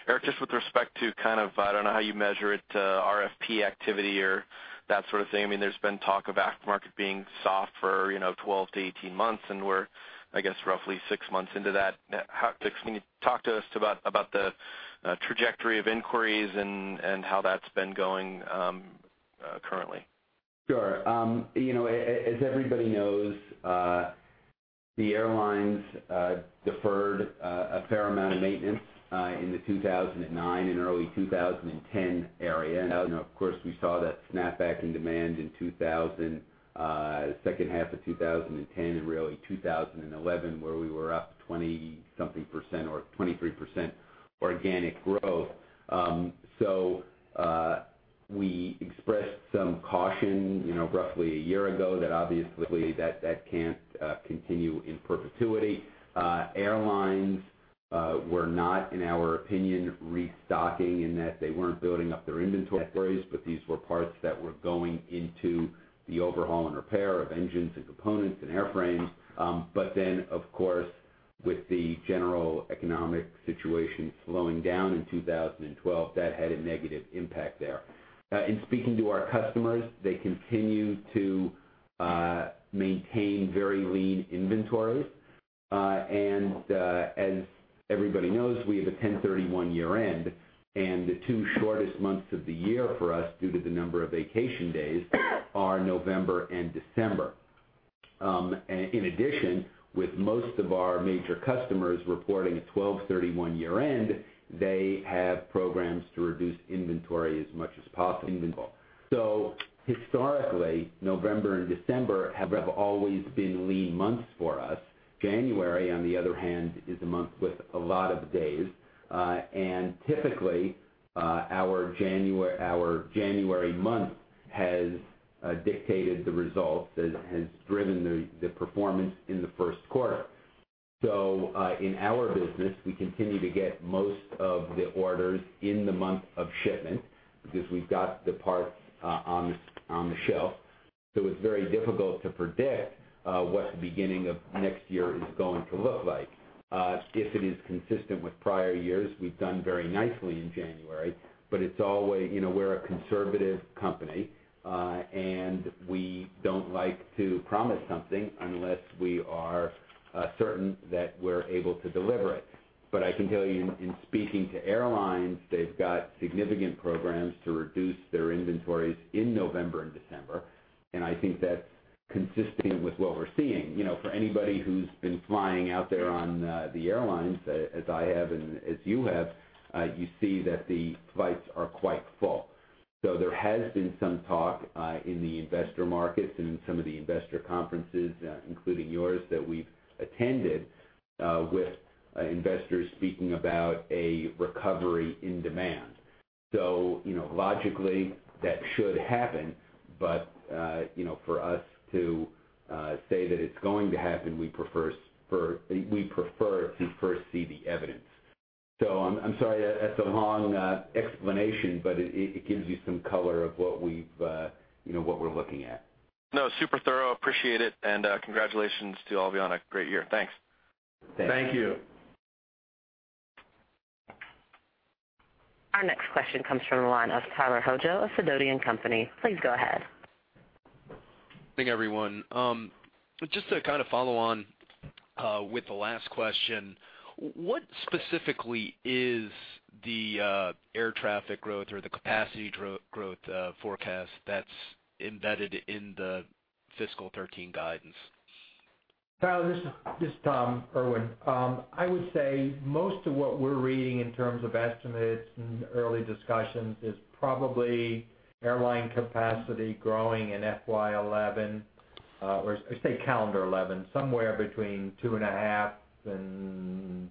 Eric, just with respect to, I don't know how you measure it, RFP activity or that sort of thing. There's been talk of aftermarket being soft for 12-18 months, we're, I guess, roughly six months into that. Can you talk to us about the trajectory of inquiries and how that's been going currently? Sure. As everybody knows, the airlines deferred a fair amount of maintenance in the 2009 and early 2010 area. Of course, we saw that snap back in demand in second half of 2010 and early 2011, where we were up 20-something percent or 23% organic growth. We expressed some caution roughly a year ago that obviously that that can't continue in perpetuity. Airlines were not, in our opinion, restocking in that they weren't building up their inventories, but these were parts that were going into the overhaul and repair of engines and components and airframes. Of course, with the general economic situation slowing down in 2012, that had a negative impact there. In speaking to our customers, they continue to maintain very lean inventories. As everybody knows, we have a 10/31 year-end, and the two shortest months of the year for us, due to the number of vacation days, are November and December. In addition, with most of our major customers reporting a 12/31 year-end, they have programs to reduce inventory as much as possible. Historically, November and December have always been lean months for us. January, on the other hand, is a month with a lot of days. Typically, our January month has dictated the results, has driven the performance in the first quarter. In our business, we continue to get most of the orders in the month of shipment because we've got the parts on the shelf. It's very difficult to predict what the beginning of next year is going to look like. If it is consistent with prior years, we've done very nicely in January, but we're a conservative company, and we don't like to promise something unless we are certain that we're able to deliver it. I can tell you in speaking to airlines, they've got significant programs to reduce their inventories in November and December, and I think that's consistent with what we're seeing. For anybody who's been flying out there on the airlines, as I have and as you have, you see that the flights are quite full. There has been some talk in the investor markets and in some of the investor conferences, including yours, that we've attended with investors speaking about a recovery in demand. Logically, that should happen. For us to say that it's going to happen, we prefer to first see the evidence. I'm sorry, that's a long explanation, but it gives you some color of what we're looking at. No, super thorough, appreciate it, and congratulations to Albion on a great year. Thanks. Thank you. Thank you. Our next question comes from the line of Tyler Hojo of Sidoti & Company. Please go ahead. Good morning, everyone. Just to kind of follow on with the last question, what specifically is the air traffic growth or the capacity growth forecast that's embedded in the fiscal 2013 guidance? Tyler, this is Tom Irwin. I would say most of what we're reading in terms of estimates and early discussions is probably airline capacity growing in FY 2011, or say calendar 2011, somewhere between two and a half and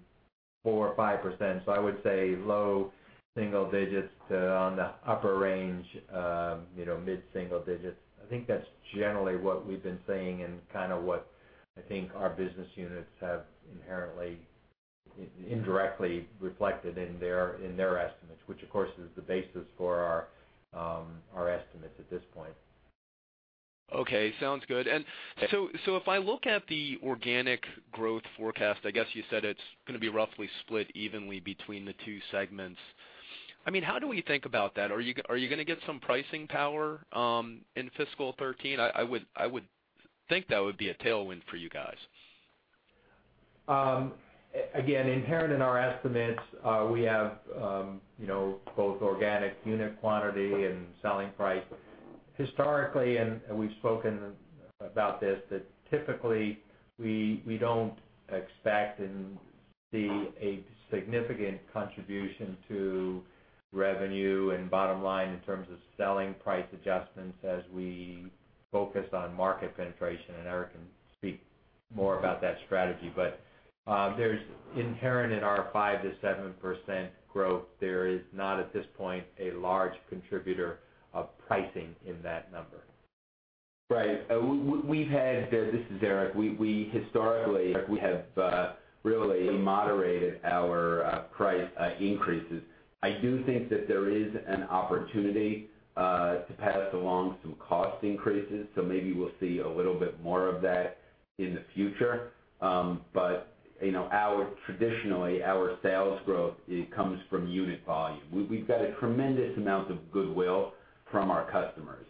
4% or 5%. I would say low single digits on the upper range of mid-single digits. I think that's generally what we've been saying and kind of what I think our business units have inherently, indirectly reflected in their estimates, which of course is the basis for our estimates at this point. Okay, sounds good. If I look at the organic growth forecast, I guess you said it's going to be roughly split evenly between the two segments. How do we think about that? Are you going to get some pricing power in fiscal 2013? I would think that would be a tailwind for you guys. Inherent in our estimates, we have both organic unit quantity and selling price. Historically, and we've spoken about this, that typically we don't expect and see a significant contribution to revenue and bottom line in terms of selling price adjustments as we focus on market penetration, and Eric can speak more about that strategy. There's inherent in our 5%-7% growth, there is not at this point a large contributor of pricing in that number. Right. This is Eric. Historically, we have really moderated our price increases. I do think that there is an opportunity to pass along some cost increases, so maybe we'll see a little bit more of that in the future. Traditionally, our sales growth comes from unit volume. We've got a tremendous amount of goodwill from our customers.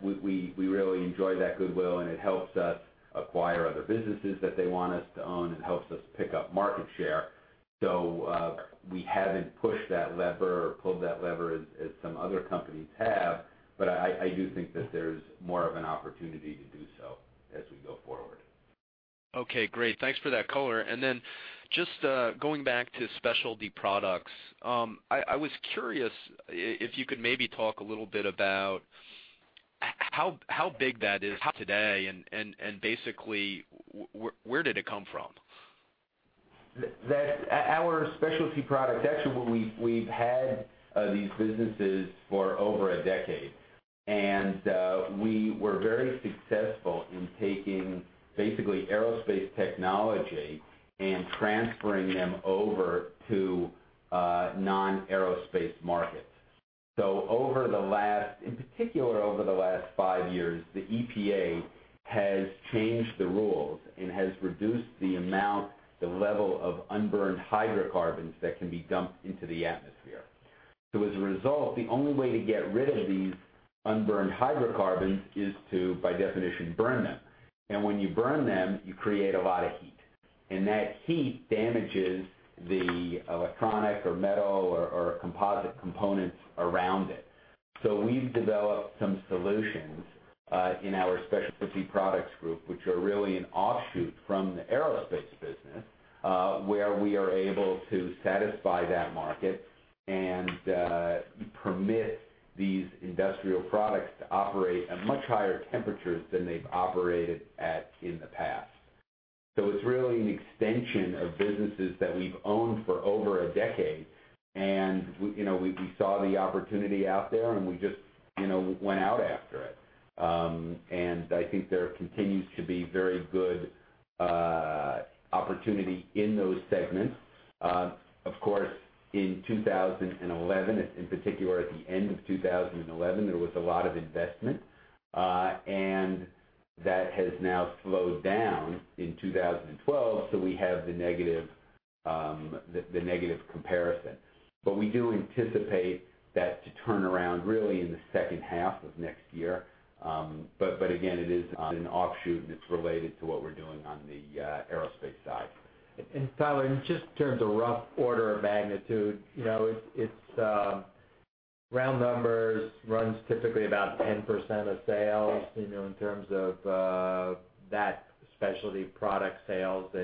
We really enjoy that goodwill, and it helps us acquire other businesses that they want us to own and helps us pick up market share. We haven't pushed that lever or pulled that lever as some other companies have, but I do think that there's more of an opportunity to do so as we go forward. Okay, great. Thanks for that color. Then just going back to specialty products, I was curious if you could maybe talk a little bit about how big that is today and basically where did it come from? Our specialty product, actually, we've had these businesses for over a decade. We were very successful in taking basically aerospace technology and transferring them over to non-aerospace markets. In particular, over the last five years, the EPA has changed the rules and has reduced the amount, the level of unburned hydrocarbons that can be dumped into the atmosphere. As a result, the only way to get rid of these unburned hydrocarbons is to, by definition, burn them. When you burn them, you create a lot of heat. That heat damages the electronic or metal or composite components around it. We've developed some solutions in our specialty products group, which are really an offshoot from the aerospace business, where we are able to satisfy that market and permit these industrial products to operate at much higher temperatures than they've operated at in the past. It's really an extension of businesses that we've owned for over a decade. We saw the opportunity out there and we just went out after it. I think there continues to be very good opportunity in those segments. Of course, in 2011, in particular at the end of 2011, there was a lot of investment. That has now slowed down in 2012. We have the negative comparison. We do anticipate that to turn around really in the second half of next year. Again, it is an offshoot. It's related to what we're doing on the aerospace side. Tyler, just in terms of rough order of magnitude, it's round numbers, runs typically about 10% of sales, in terms of that specialty product sales.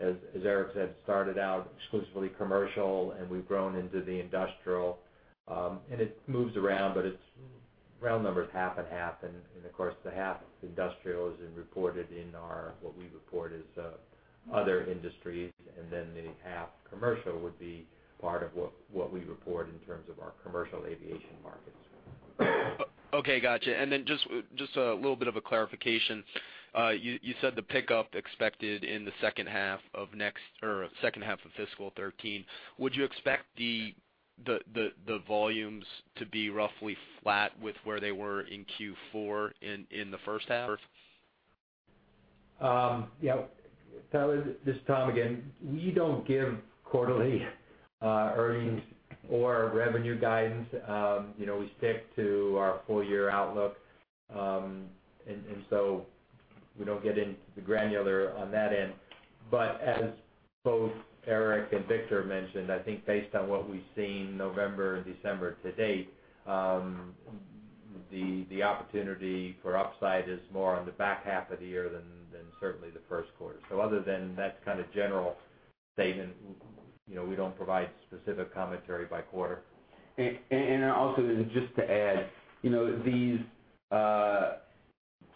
As Eric said, started out exclusively commercial. We've grown into the industrial. It moves around. It's round numbers, half and half. Of course, the half industrial is reported in our, what we report as other industries. Then the half commercial would be part of what we report in terms of our commercial aviation markets. Okay, got you. Then just a little bit of a clarification. You said the pickup expected in the second half of fiscal 2013. Would you expect the volumes to be roughly flat with where they were in Q4 in the first half? Yeah. Tyler, this is Tom again. We don't give quarterly earnings or revenue guidance. We stick to our full-year outlook. So we don't get into the granular on that end. As both Eric and Victor mentioned, I think based on what we've seen November and December to date, the opportunity for upside is more on the back half of the year than certainly the first quarter. Other than that kind of general statement, we don't provide specific commentary by quarter. just to add, these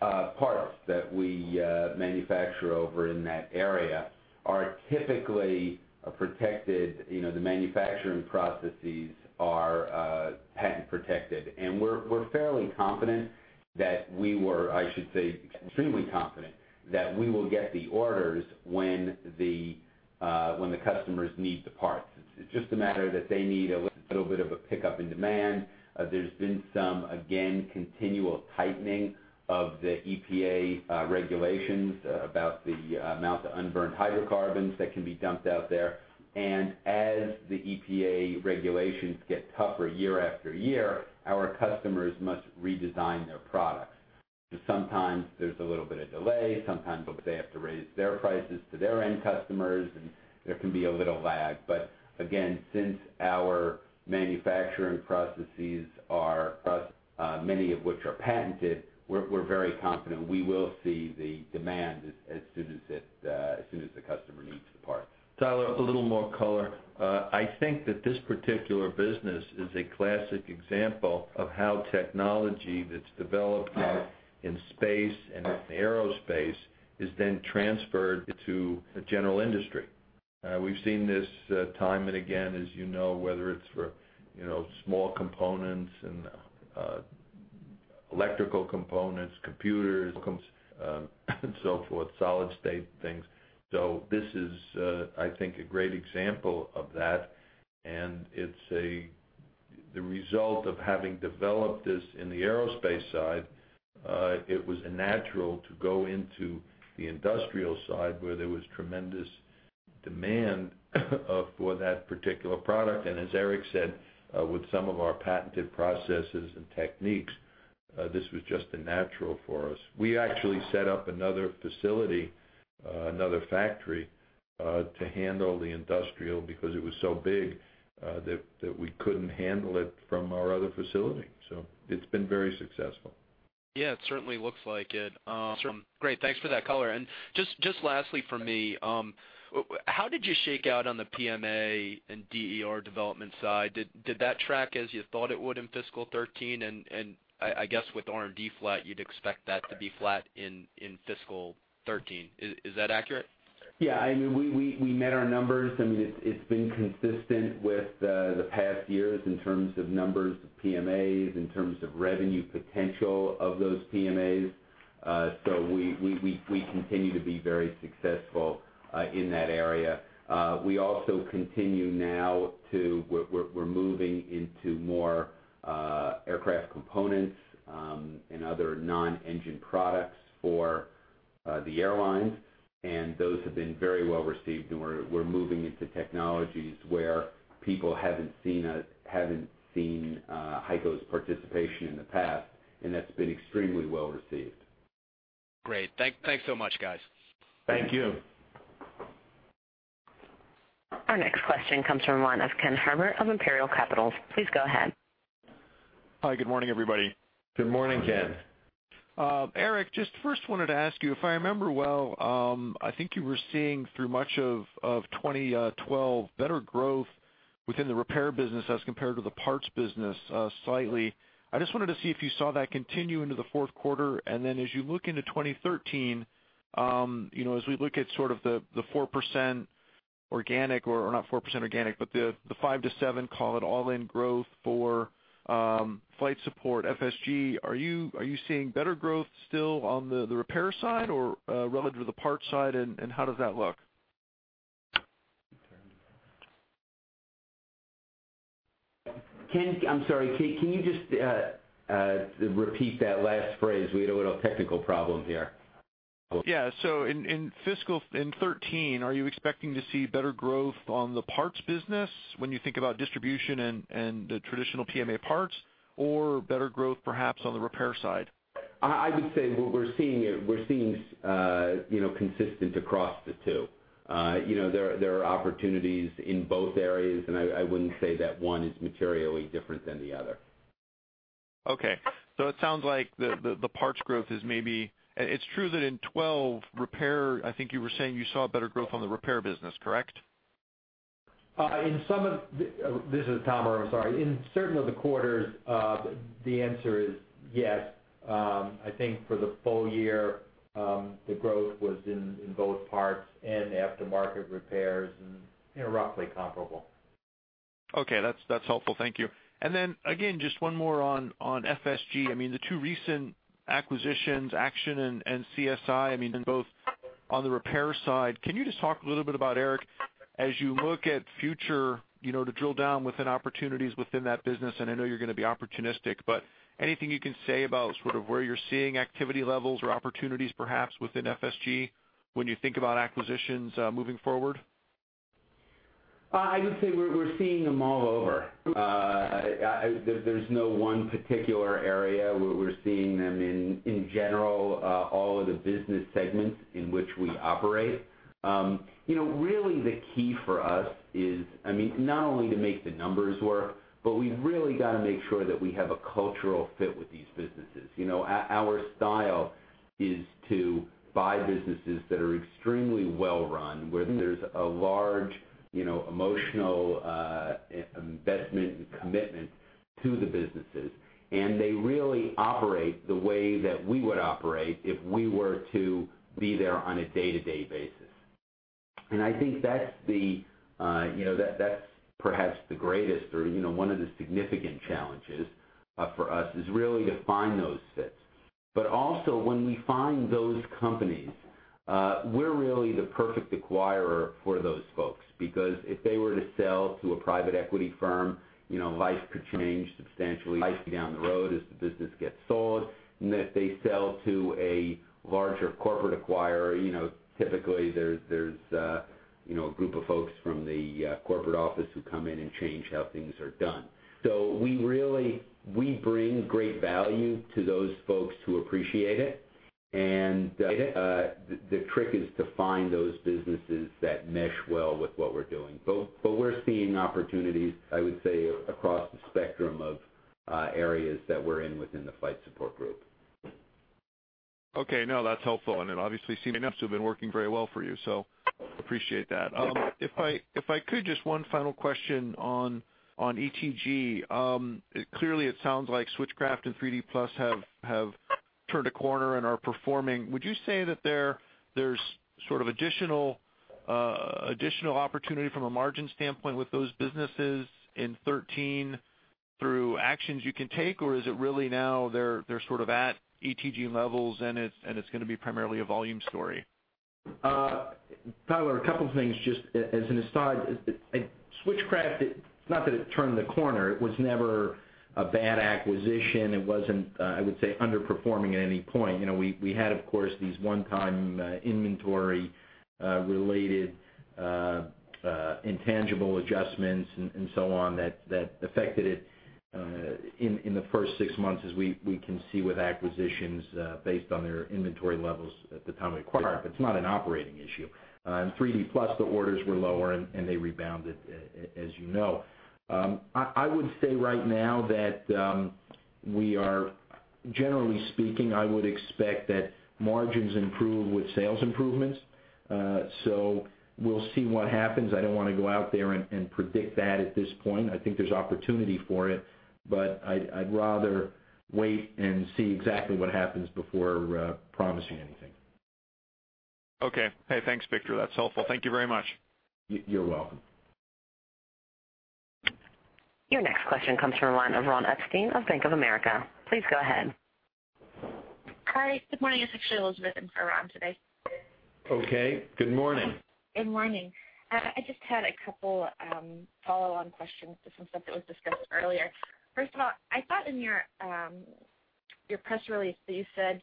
parts that we manufacture over in that area are typically protected, the manufacturing processes are patent protected. We're fairly confident that I should say extremely confident, that we will get the orders when the customers need the parts. It's just a matter that they need a little bit of a pickup in demand. There's been some, again, continual tightening of the EPA regulations about the amount of unburned hydrocarbons that can be dumped out there. As the EPA regulations get tougher year after year, our customers must redesign their products. Sometimes there's a little bit of delay, sometimes they have to raise their prices to their end customers, and there can be a little lag. Again, since our manufacturing processes are, many of which are patented, we're very confident we will see the demand as soon as the customer needs the parts. Tyler, a little more color. I think that this particular business is a classic example of how technology that's developed out in space and in aerospace is then transferred to a general industry. We've seen this time and again, as you know, whether it's for small components and electrical components, computers, and so forth, solid state things. This is, I think, a great example of that, and it's the result of having developed this in the aerospace side. It was natural to go into the industrial side, where there was tremendous demand for that particular product. As Eric said, with some of our patented processes and techniques, this was just natural for us. We actually set up another facility, another factory, to handle the industrial because it was so big that we couldn't handle it from our other facility. It's been very successful. Yeah, it certainly looks like it. Great. Thanks for that color. Just lastly from me, how did you shake out on the PMA and DER development side? Did that track as you thought it would in fiscal 2013? I guess with R&D flat, you'd expect that to be flat in fiscal 2013. Is that accurate? Yeah, we met our numbers. It's been consistent with the past years in terms of numbers of PMAs, in terms of revenue potential of those PMAs. We continue to be very successful in that area. We also continue now to, we're moving into more aircraft components and other non-engine products for the airlines. Those have been very well received. We're moving into technologies where people haven't seen HEICO's participation in the past. That's been extremely well received. Great. Thanks so much, guys. Thank you. Our next question comes from the line of Ken Herbert of Imperial Capital. Please go ahead. Hi, good morning, everybody. Good morning, Ken. Good morning. Eric, just first wanted to ask you, if I remember well, I think you were seeing through much of 2012, better growth within the repair business as compared to the parts business, slightly. I just wanted to see if you saw that continue into the fourth quarter. As you look into 2013, as we look at sort of the 4% organic, or not 4% organic, but the 5%-7% call it all in growth for Flight Support, FSG, are you seeing better growth still on the repair side or relative to the parts side, how does that look? I'm sorry, can you just repeat that last phrase? We had a little technical problem here. Yeah. In fiscal 2013, are you expecting to see better growth on the parts business when you think about distribution and the traditional PMA parts, or better growth perhaps on the repair side? I would say what we're seeing consistent across the two. There are opportunities in both areas. I wouldn't say that one is materially different than the other. Okay. It's true that in 2012, repair, I think you were saying you saw better growth on the repair business, correct? This is Tom. I'm sorry. In certain of the quarters, the answer is yes. I think for the full year, the growth was in both parts and aftermarket repairs and roughly comparable. Okay. That's helpful. Thank you. Then again, just one more on FSG. The two recent acquisitions, Action and CSI, have been both on the repair side. Can you just talk a little bit about, Eric, as you look at future, to drill down within opportunities within that business, and I know you're going to be opportunistic, but anything you can say about sort of where you're seeing activity levels or opportunities perhaps within FSG when you think about acquisitions moving forward? I would say we're seeing them all over. There's no one particular area. We're seeing them in general, all of the business segments in which we operate. Really the key for us is, not only to make the numbers work, but we've really got to make sure that we have a cultural fit with these businesses. Our style is to buy businesses that are extremely well run, where there's a large emotional investment and commitment to the businesses, and they really operate the way that we would operate if we were to be there on a day-to-day basis. I think that's perhaps the greatest or one of the significant challenges for us is really to find those fits. Also, when we find those companies, we're really the perfect acquirer for those folks, because if they were to sell to a private equity firm, life could change substantially down the road as the business gets sold. If they sell to a larger corporate acquirer, typically there's a group of folks from the corporate office who come in and change how things are done. We bring great value to those folks who appreciate it, and the trick is to find those businesses that mesh well with what we're doing. We're seeing opportunities, I would say, across the spectrum of areas that we're in within the Flight Support Group. Okay. No, that's helpful. It obviously seems to have been working very well for you, so appreciate that. If I could, just one final question on ETG. Clearly it sounds like Switchcraft and 3D Plus have turned a corner and are performing. Would you say that there's sort of additional opportunity from a margin standpoint with those businesses in 2013 through actions you can take, or is it really now they're sort of at ETG levels and it's going to be primarily a volume story? Tyler, a couple things, just as an aside. Switchcraft, not that it turned the corner. It was never a bad acquisition. It wasn't, I would say, underperforming at any point. We had, of course, these one-time inventory-related intangible adjustments and so on that affected it in the first six months, as we can see with acquisitions, based on their inventory levels at the time of acquire. It's not an operating issue. In 3D Plus, the orders were lower, and they rebounded, as you know. I would say right now that generally speaking, I would expect that margins improve with sales improvements. We'll see what happens. I don't want to go out there and predict that at this point. I think there's opportunity for it, but I'd rather wait and see exactly what happens before promising anything. Okay. Hey, thanks, Victor. That's helpful. Thank you very much. You're welcome. Your next question comes from the line of Ron Epstein of Bank of America. Please go ahead. Hi. Good morning. It's actually Elizabeth in for Ron today. Okay. Good morning. Good morning. I just had a couple follow-on questions to some stuff that was discussed earlier. First of all, I thought in your press release that you said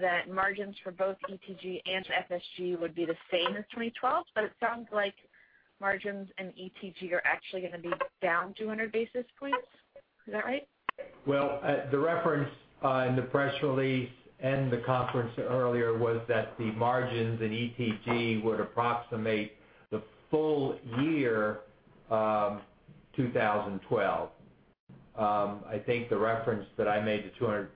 that margins for both ETG and FSG would be the same as 2012, but it sounds like margins and ETG are actually going to be down 200 basis points. Is that right? Well, the reference in the press release and the conference earlier was that the margins in ETG would approximate the full year of 2012. I think the reference that I made to 200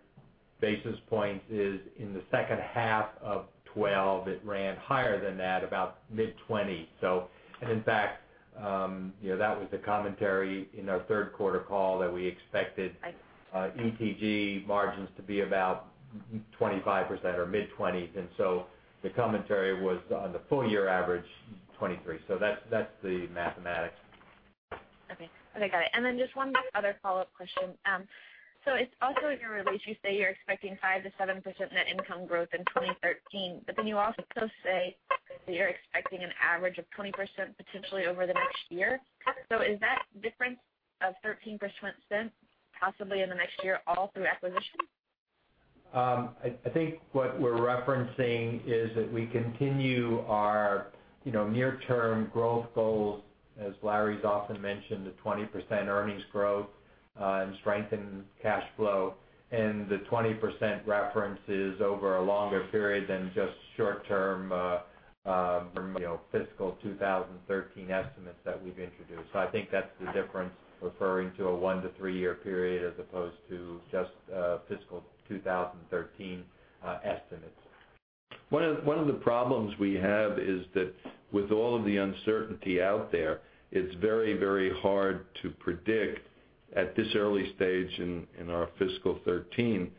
basis points is in the second half of 2012, it ran higher than that, about mid-20. In fact, that was the commentary in our third quarter call that we expected. I see ETG margins to be about 25% or mid-20s. The commentary was on the full year average, 23%. That's the mathematics. Okay. Got it. Just one other follow-up question. It's also in your release, you say you're expecting 5%-7% net income growth in 2013, you also say that you're expecting an average of 20% potentially over the next year. Is that difference of 13% possibly in the next year, all through acquisitions? I think what we're referencing is that we continue our near-term growth goals, as Larry's often mentioned, the 20% earnings growth and strengthened cash flow. The 20% reference is over a longer period than just short-term from fiscal 2013 estimates that we've introduced. I think that's the difference, referring to a one-to-three year period as opposed to just fiscal 2013 estimates. One of the problems we have is that with all of the uncertainty out there, it's very hard to predict at this early stage in our fiscal 2013,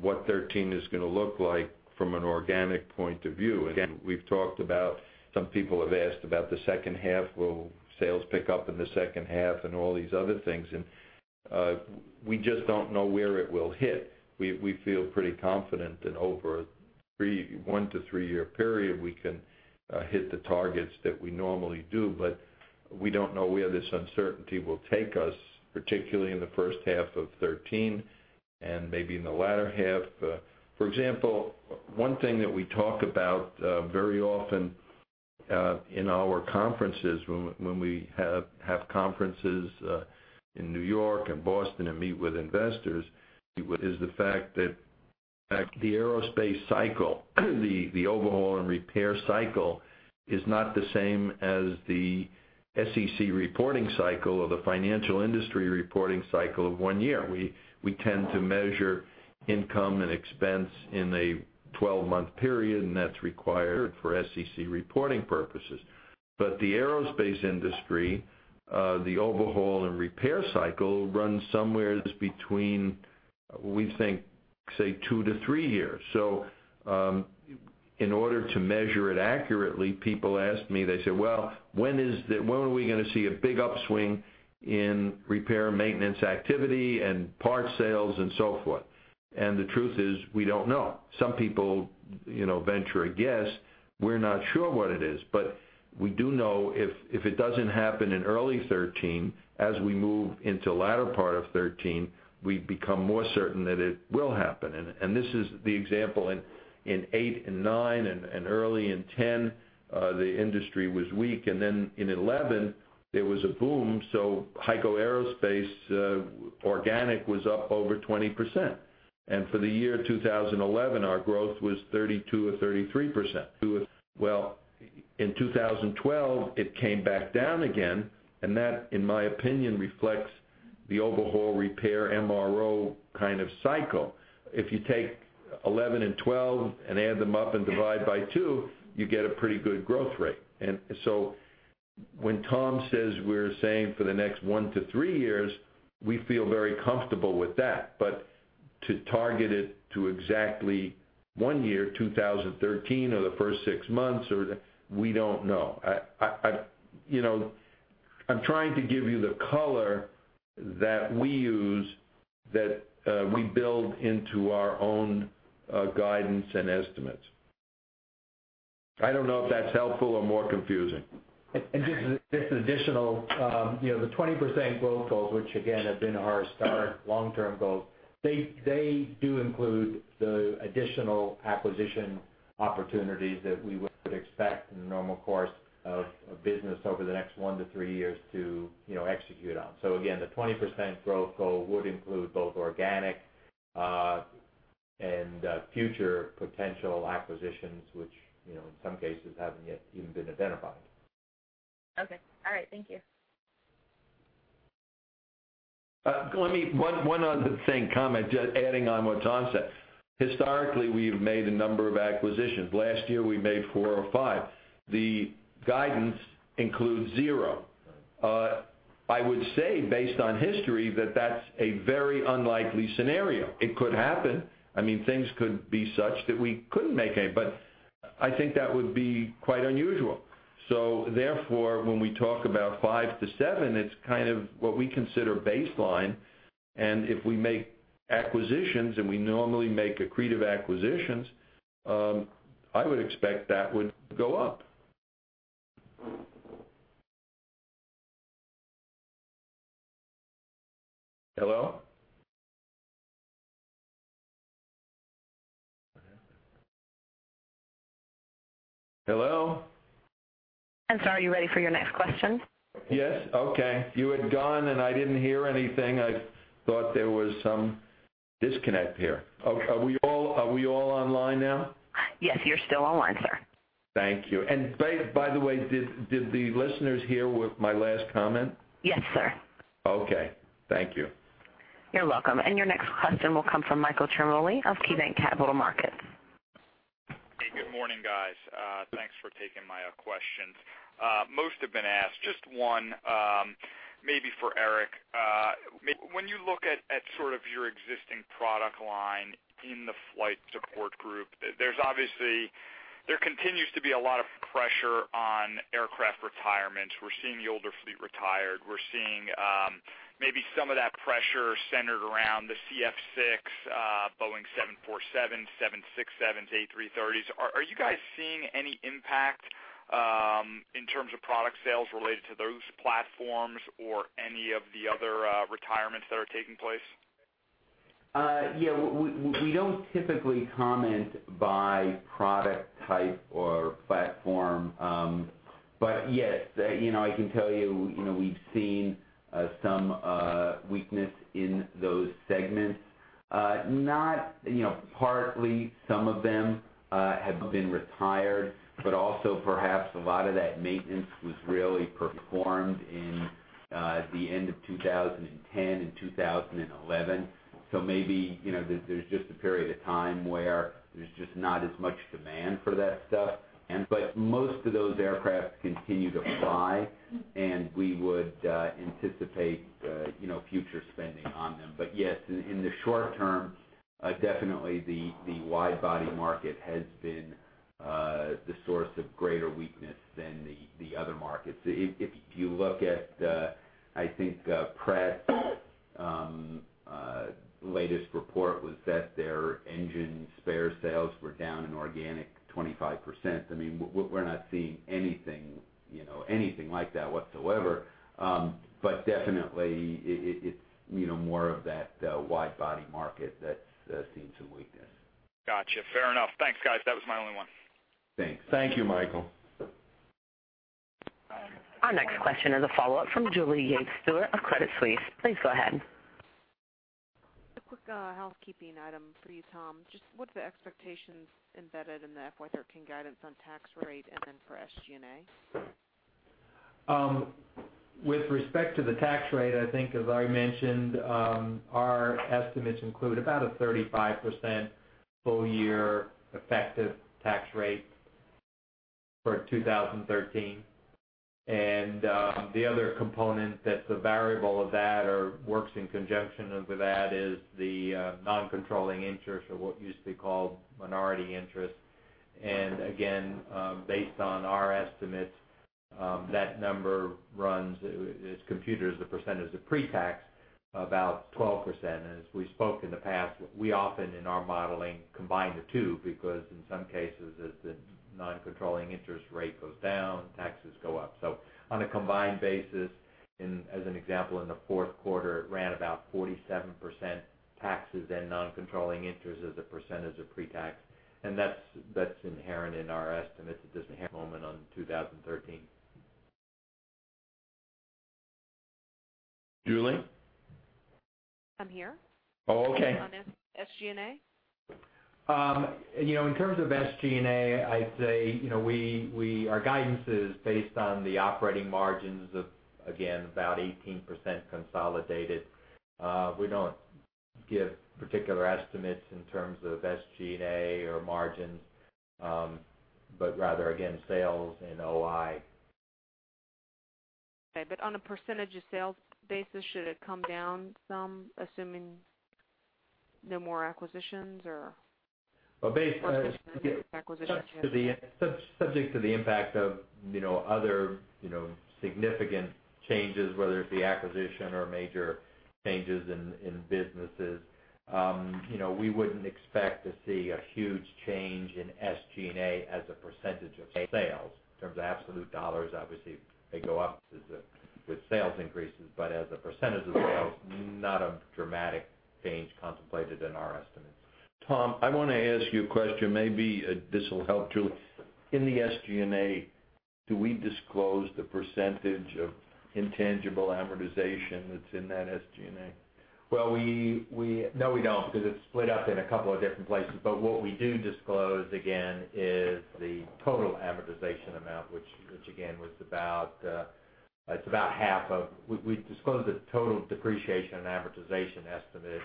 what 2013 is going to look like from an organic point of view. Again, we've talked about, some people have asked about the second half, will sales pick up in the second half and all these other things. We just don't know where it will hit. We feel pretty confident that over a one to three-year period, we can hit the targets that we normally do. We don't know where this uncertainty will take us, particularly in the first half of 2013, and maybe in the latter half. For example, one thing that we talk about very often in our conferences, when we have conferences in New York and Boston and meet with investors, is the fact that the aerospace cycle, the overhaul and repair cycle is not the same as the SEC reporting cycle or the financial industry reporting cycle of one year. We tend to measure income and expense in a 12-month period. That's required for SEC reporting purposes. The aerospace industry, the overhaul and repair cycle runs somewhere that's between, we think, say, 2-3 years. In order to measure it accurately, people ask me, they say, "Well, when are we going to see a big upswing in repair, maintenance activity, and parts sales and so forth?" The truth is, we don't know. Some people venture a guess. We're not sure what it is. We do know if it doesn't happen in early 2013, as we move into the latter part of 2013, we become more certain that it will happen. This is the example in 2008 and 2009 and early in 2010, the industry was weak. Then in 2011 there was a boom, HEICO Aerospace organic was up over 20%. For the year 2011, our growth was 32% or 33%. In 2012, it came back down again. That, in my opinion, reflects the overhaul repair MRO kind of cycle. If you take 2011 and 2012 and add them up and divide by two, you get a pretty good growth rate. When Tom says we're saying for the next one to three years, we feel very comfortable with that. To target it to exactly one year, 2013, or the first six months, we don't know. I'm trying to give you the color that we use, that we build into our own guidance and estimates. I don't know if that's helpful or more confusing. Just an additional, the 20% growth goals, which again, have been our historic long-term goals, they do include the additional acquisition opportunities that we would expect in the normal course of business over the next one to three years to execute on. Again, the 20% growth goal would include both organic and future potential acquisitions, which, in some cases, haven't yet even been identified. Okay. All right. Thank you. Let me, one other thing, comment, just adding on what Tom said. Historically, we've made a number of acquisitions. Last year, we made four or five. The guidance includes zero. I would say, based on history, that that's a very unlikely scenario. It could happen. Things could be such that we couldn't make any, but I think that would be quite unusual. Therefore, when we talk about five to seven, it's kind of what we consider baseline, and if we make acquisitions, and we normally make accretive acquisitions, I would expect that would go up. Hello? Hello? I'm sorry. Are you ready for your next question? Yes. Okay. You had gone, and I didn't hear anything. I thought there was some disconnect here. Are we all online now? Yes, you're still online, sir. Thank you. By the way, did the listeners hear my last comment? Yes, sir. Okay. Thank you. You're welcome. Your next question will come from Michael Ciarmoli of KeyBanc Capital Markets. Hey, good morning, guys. Thanks for taking my questions. Most have been asked. Just one, maybe for Eric. When you look at sort of your existing product line in the Flight Support Group, there continues to be a lot of pressure on aircraft retirement. We're seeing the older fleet retired. We're seeing maybe some of that pressure centered around the CF6, Boeing 747s, 767s, A330s. Are you guys seeing any impact in terms of product sales related to those platforms or any of the other retirements that are taking place? Yeah. We don't typically comment by product type or platform. Yes, I can tell you, we've seen some weakness in those segments. Partly, some of them have been retired, but also perhaps a lot of that maintenance was really performed in the end of 2010 and 2011. Maybe, there's just a period of time where there's just not as much demand for that stuff. Most of those aircraft continue to fly, and we would anticipate future spending on them. Yes, in the short term, definitely the wide body market has been the source of greater weakness than the other markets. If you look at, I think, Pratt's latest report was that their engine spare sales were down in organic 25%. We're not seeing anything like that whatsoever. Definitely, it's more of that wide body market that's seen some weakness. Got you. Fair enough. Thanks, guys. That was my only one. Thanks. Thank you, Michael. Our next question is a follow-up from Julie Yates Stewart of Credit Suisse. Please go ahead. A quick housekeeping item for you, Tom. Just what are the expectations embedded in the FY 2013 guidance on tax rate and then for SG&A? With respect to the tax rate, I think as I mentioned, our estimates include about a 35% full year effective tax rate for 2013. The other component that's a variable of that or works in conjunction with that is the non-controlling interest or what used to be called minority interest. Again, based on our estimates, that number runs, it's computed as a percentage of pre-tax, about 12%. As we spoke in the past, we often, in our modeling, combine the two, because in some cases, as the non-controlling interest rate goes down, taxes go up. On a combined basis, as an example, in the fourth quarter, it ran about 47% taxes and non-controlling interest as a percentage of pre-tax. That's inherent in our estimates. It doesn't have a moment on 2013. Julie? I'm here. Oh, okay. On SG&A? In terms of SG&A, I'd say, our guidance is based on the operating margins of, again, about 18% consolidated. We don't give particular estimates in terms of SG&A or margins, but rather again, sales and OI. Okay. On a % of sales basis, should it come down some, assuming no more acquisitions? Well. Acquisitions, yes subject to the impact of other significant changes, whether it's the acquisition or major changes in businesses. We wouldn't expect to see a huge change in SG&A as a percentage of sales. In terms of absolute dollars, obviously, they go up with sales increases, but as a percentage of sales, not a dramatic change contemplated in our estimates. Tom, I want to ask you a question. Maybe this will help, Julie. In the SG&A, do we disclose the percentage of intangible amortization that's in that SG&A? No we don't, because it's split up in a couple of different places. What we do disclose, again, is the total amortization amount, which again, we disclose the total depreciation and amortization estimate,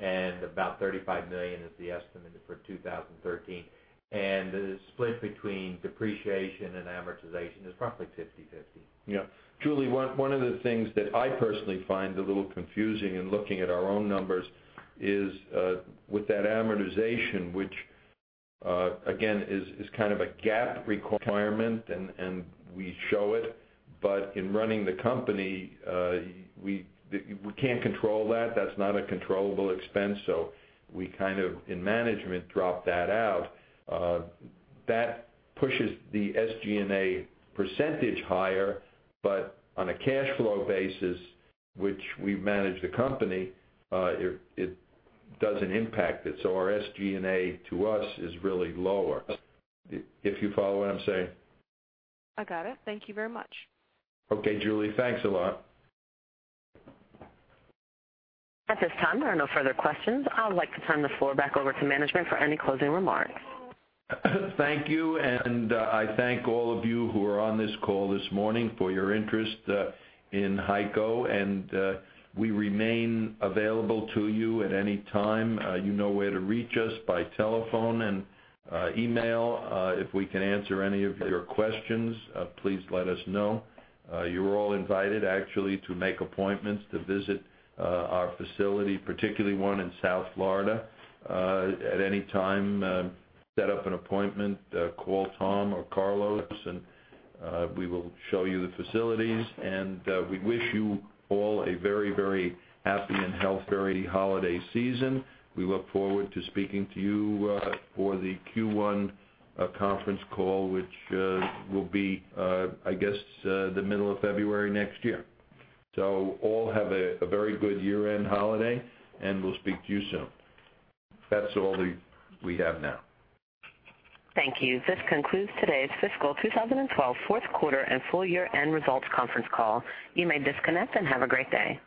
and about $35 million is the estimate for 2013. The split between depreciation and amortization is roughly 50/50. Yeah. Julie, one of the things that I personally find a little confusing in looking at our own numbers is, with that amortization, which, again, is kind of a GAAP requirement, and we show it, but in running the company, we can't control that. That's not a controllable expense. We kind of, in management, drop that out. That pushes the SG&A percentage higher, but on a cash flow basis, which we manage the company, it doesn't impact it. Our SG&A, to us, is really lower, if you follow what I'm saying. I got it. Thank you very much. Okay. Julie, thanks a lot. At this time, there are no further questions. I would like to turn the floor back over to management for any closing remarks. Thank you. I thank all of you who are on this call this morning for your interest in HEICO. We remain available to you at any time. You know where to reach us by telephone and email. If we can answer any of your questions, please let us know. You're all invited, actually, to make appointments to visit our facility, particularly one in South Florida, at any time. Set up an appointment, call Tom or Carlos. We will show you the facilities. We wish you all a very, very happy and healthy holiday season. We look forward to speaking to you for the Q1 conference call, which will be, I guess, the middle of February next year. All have a very good year-end holiday, and we'll speak to you soon. That's all we have now. Thank you. This concludes today's fiscal 2012 fourth quarter and full year-end results conference call. You may disconnect and have a great day.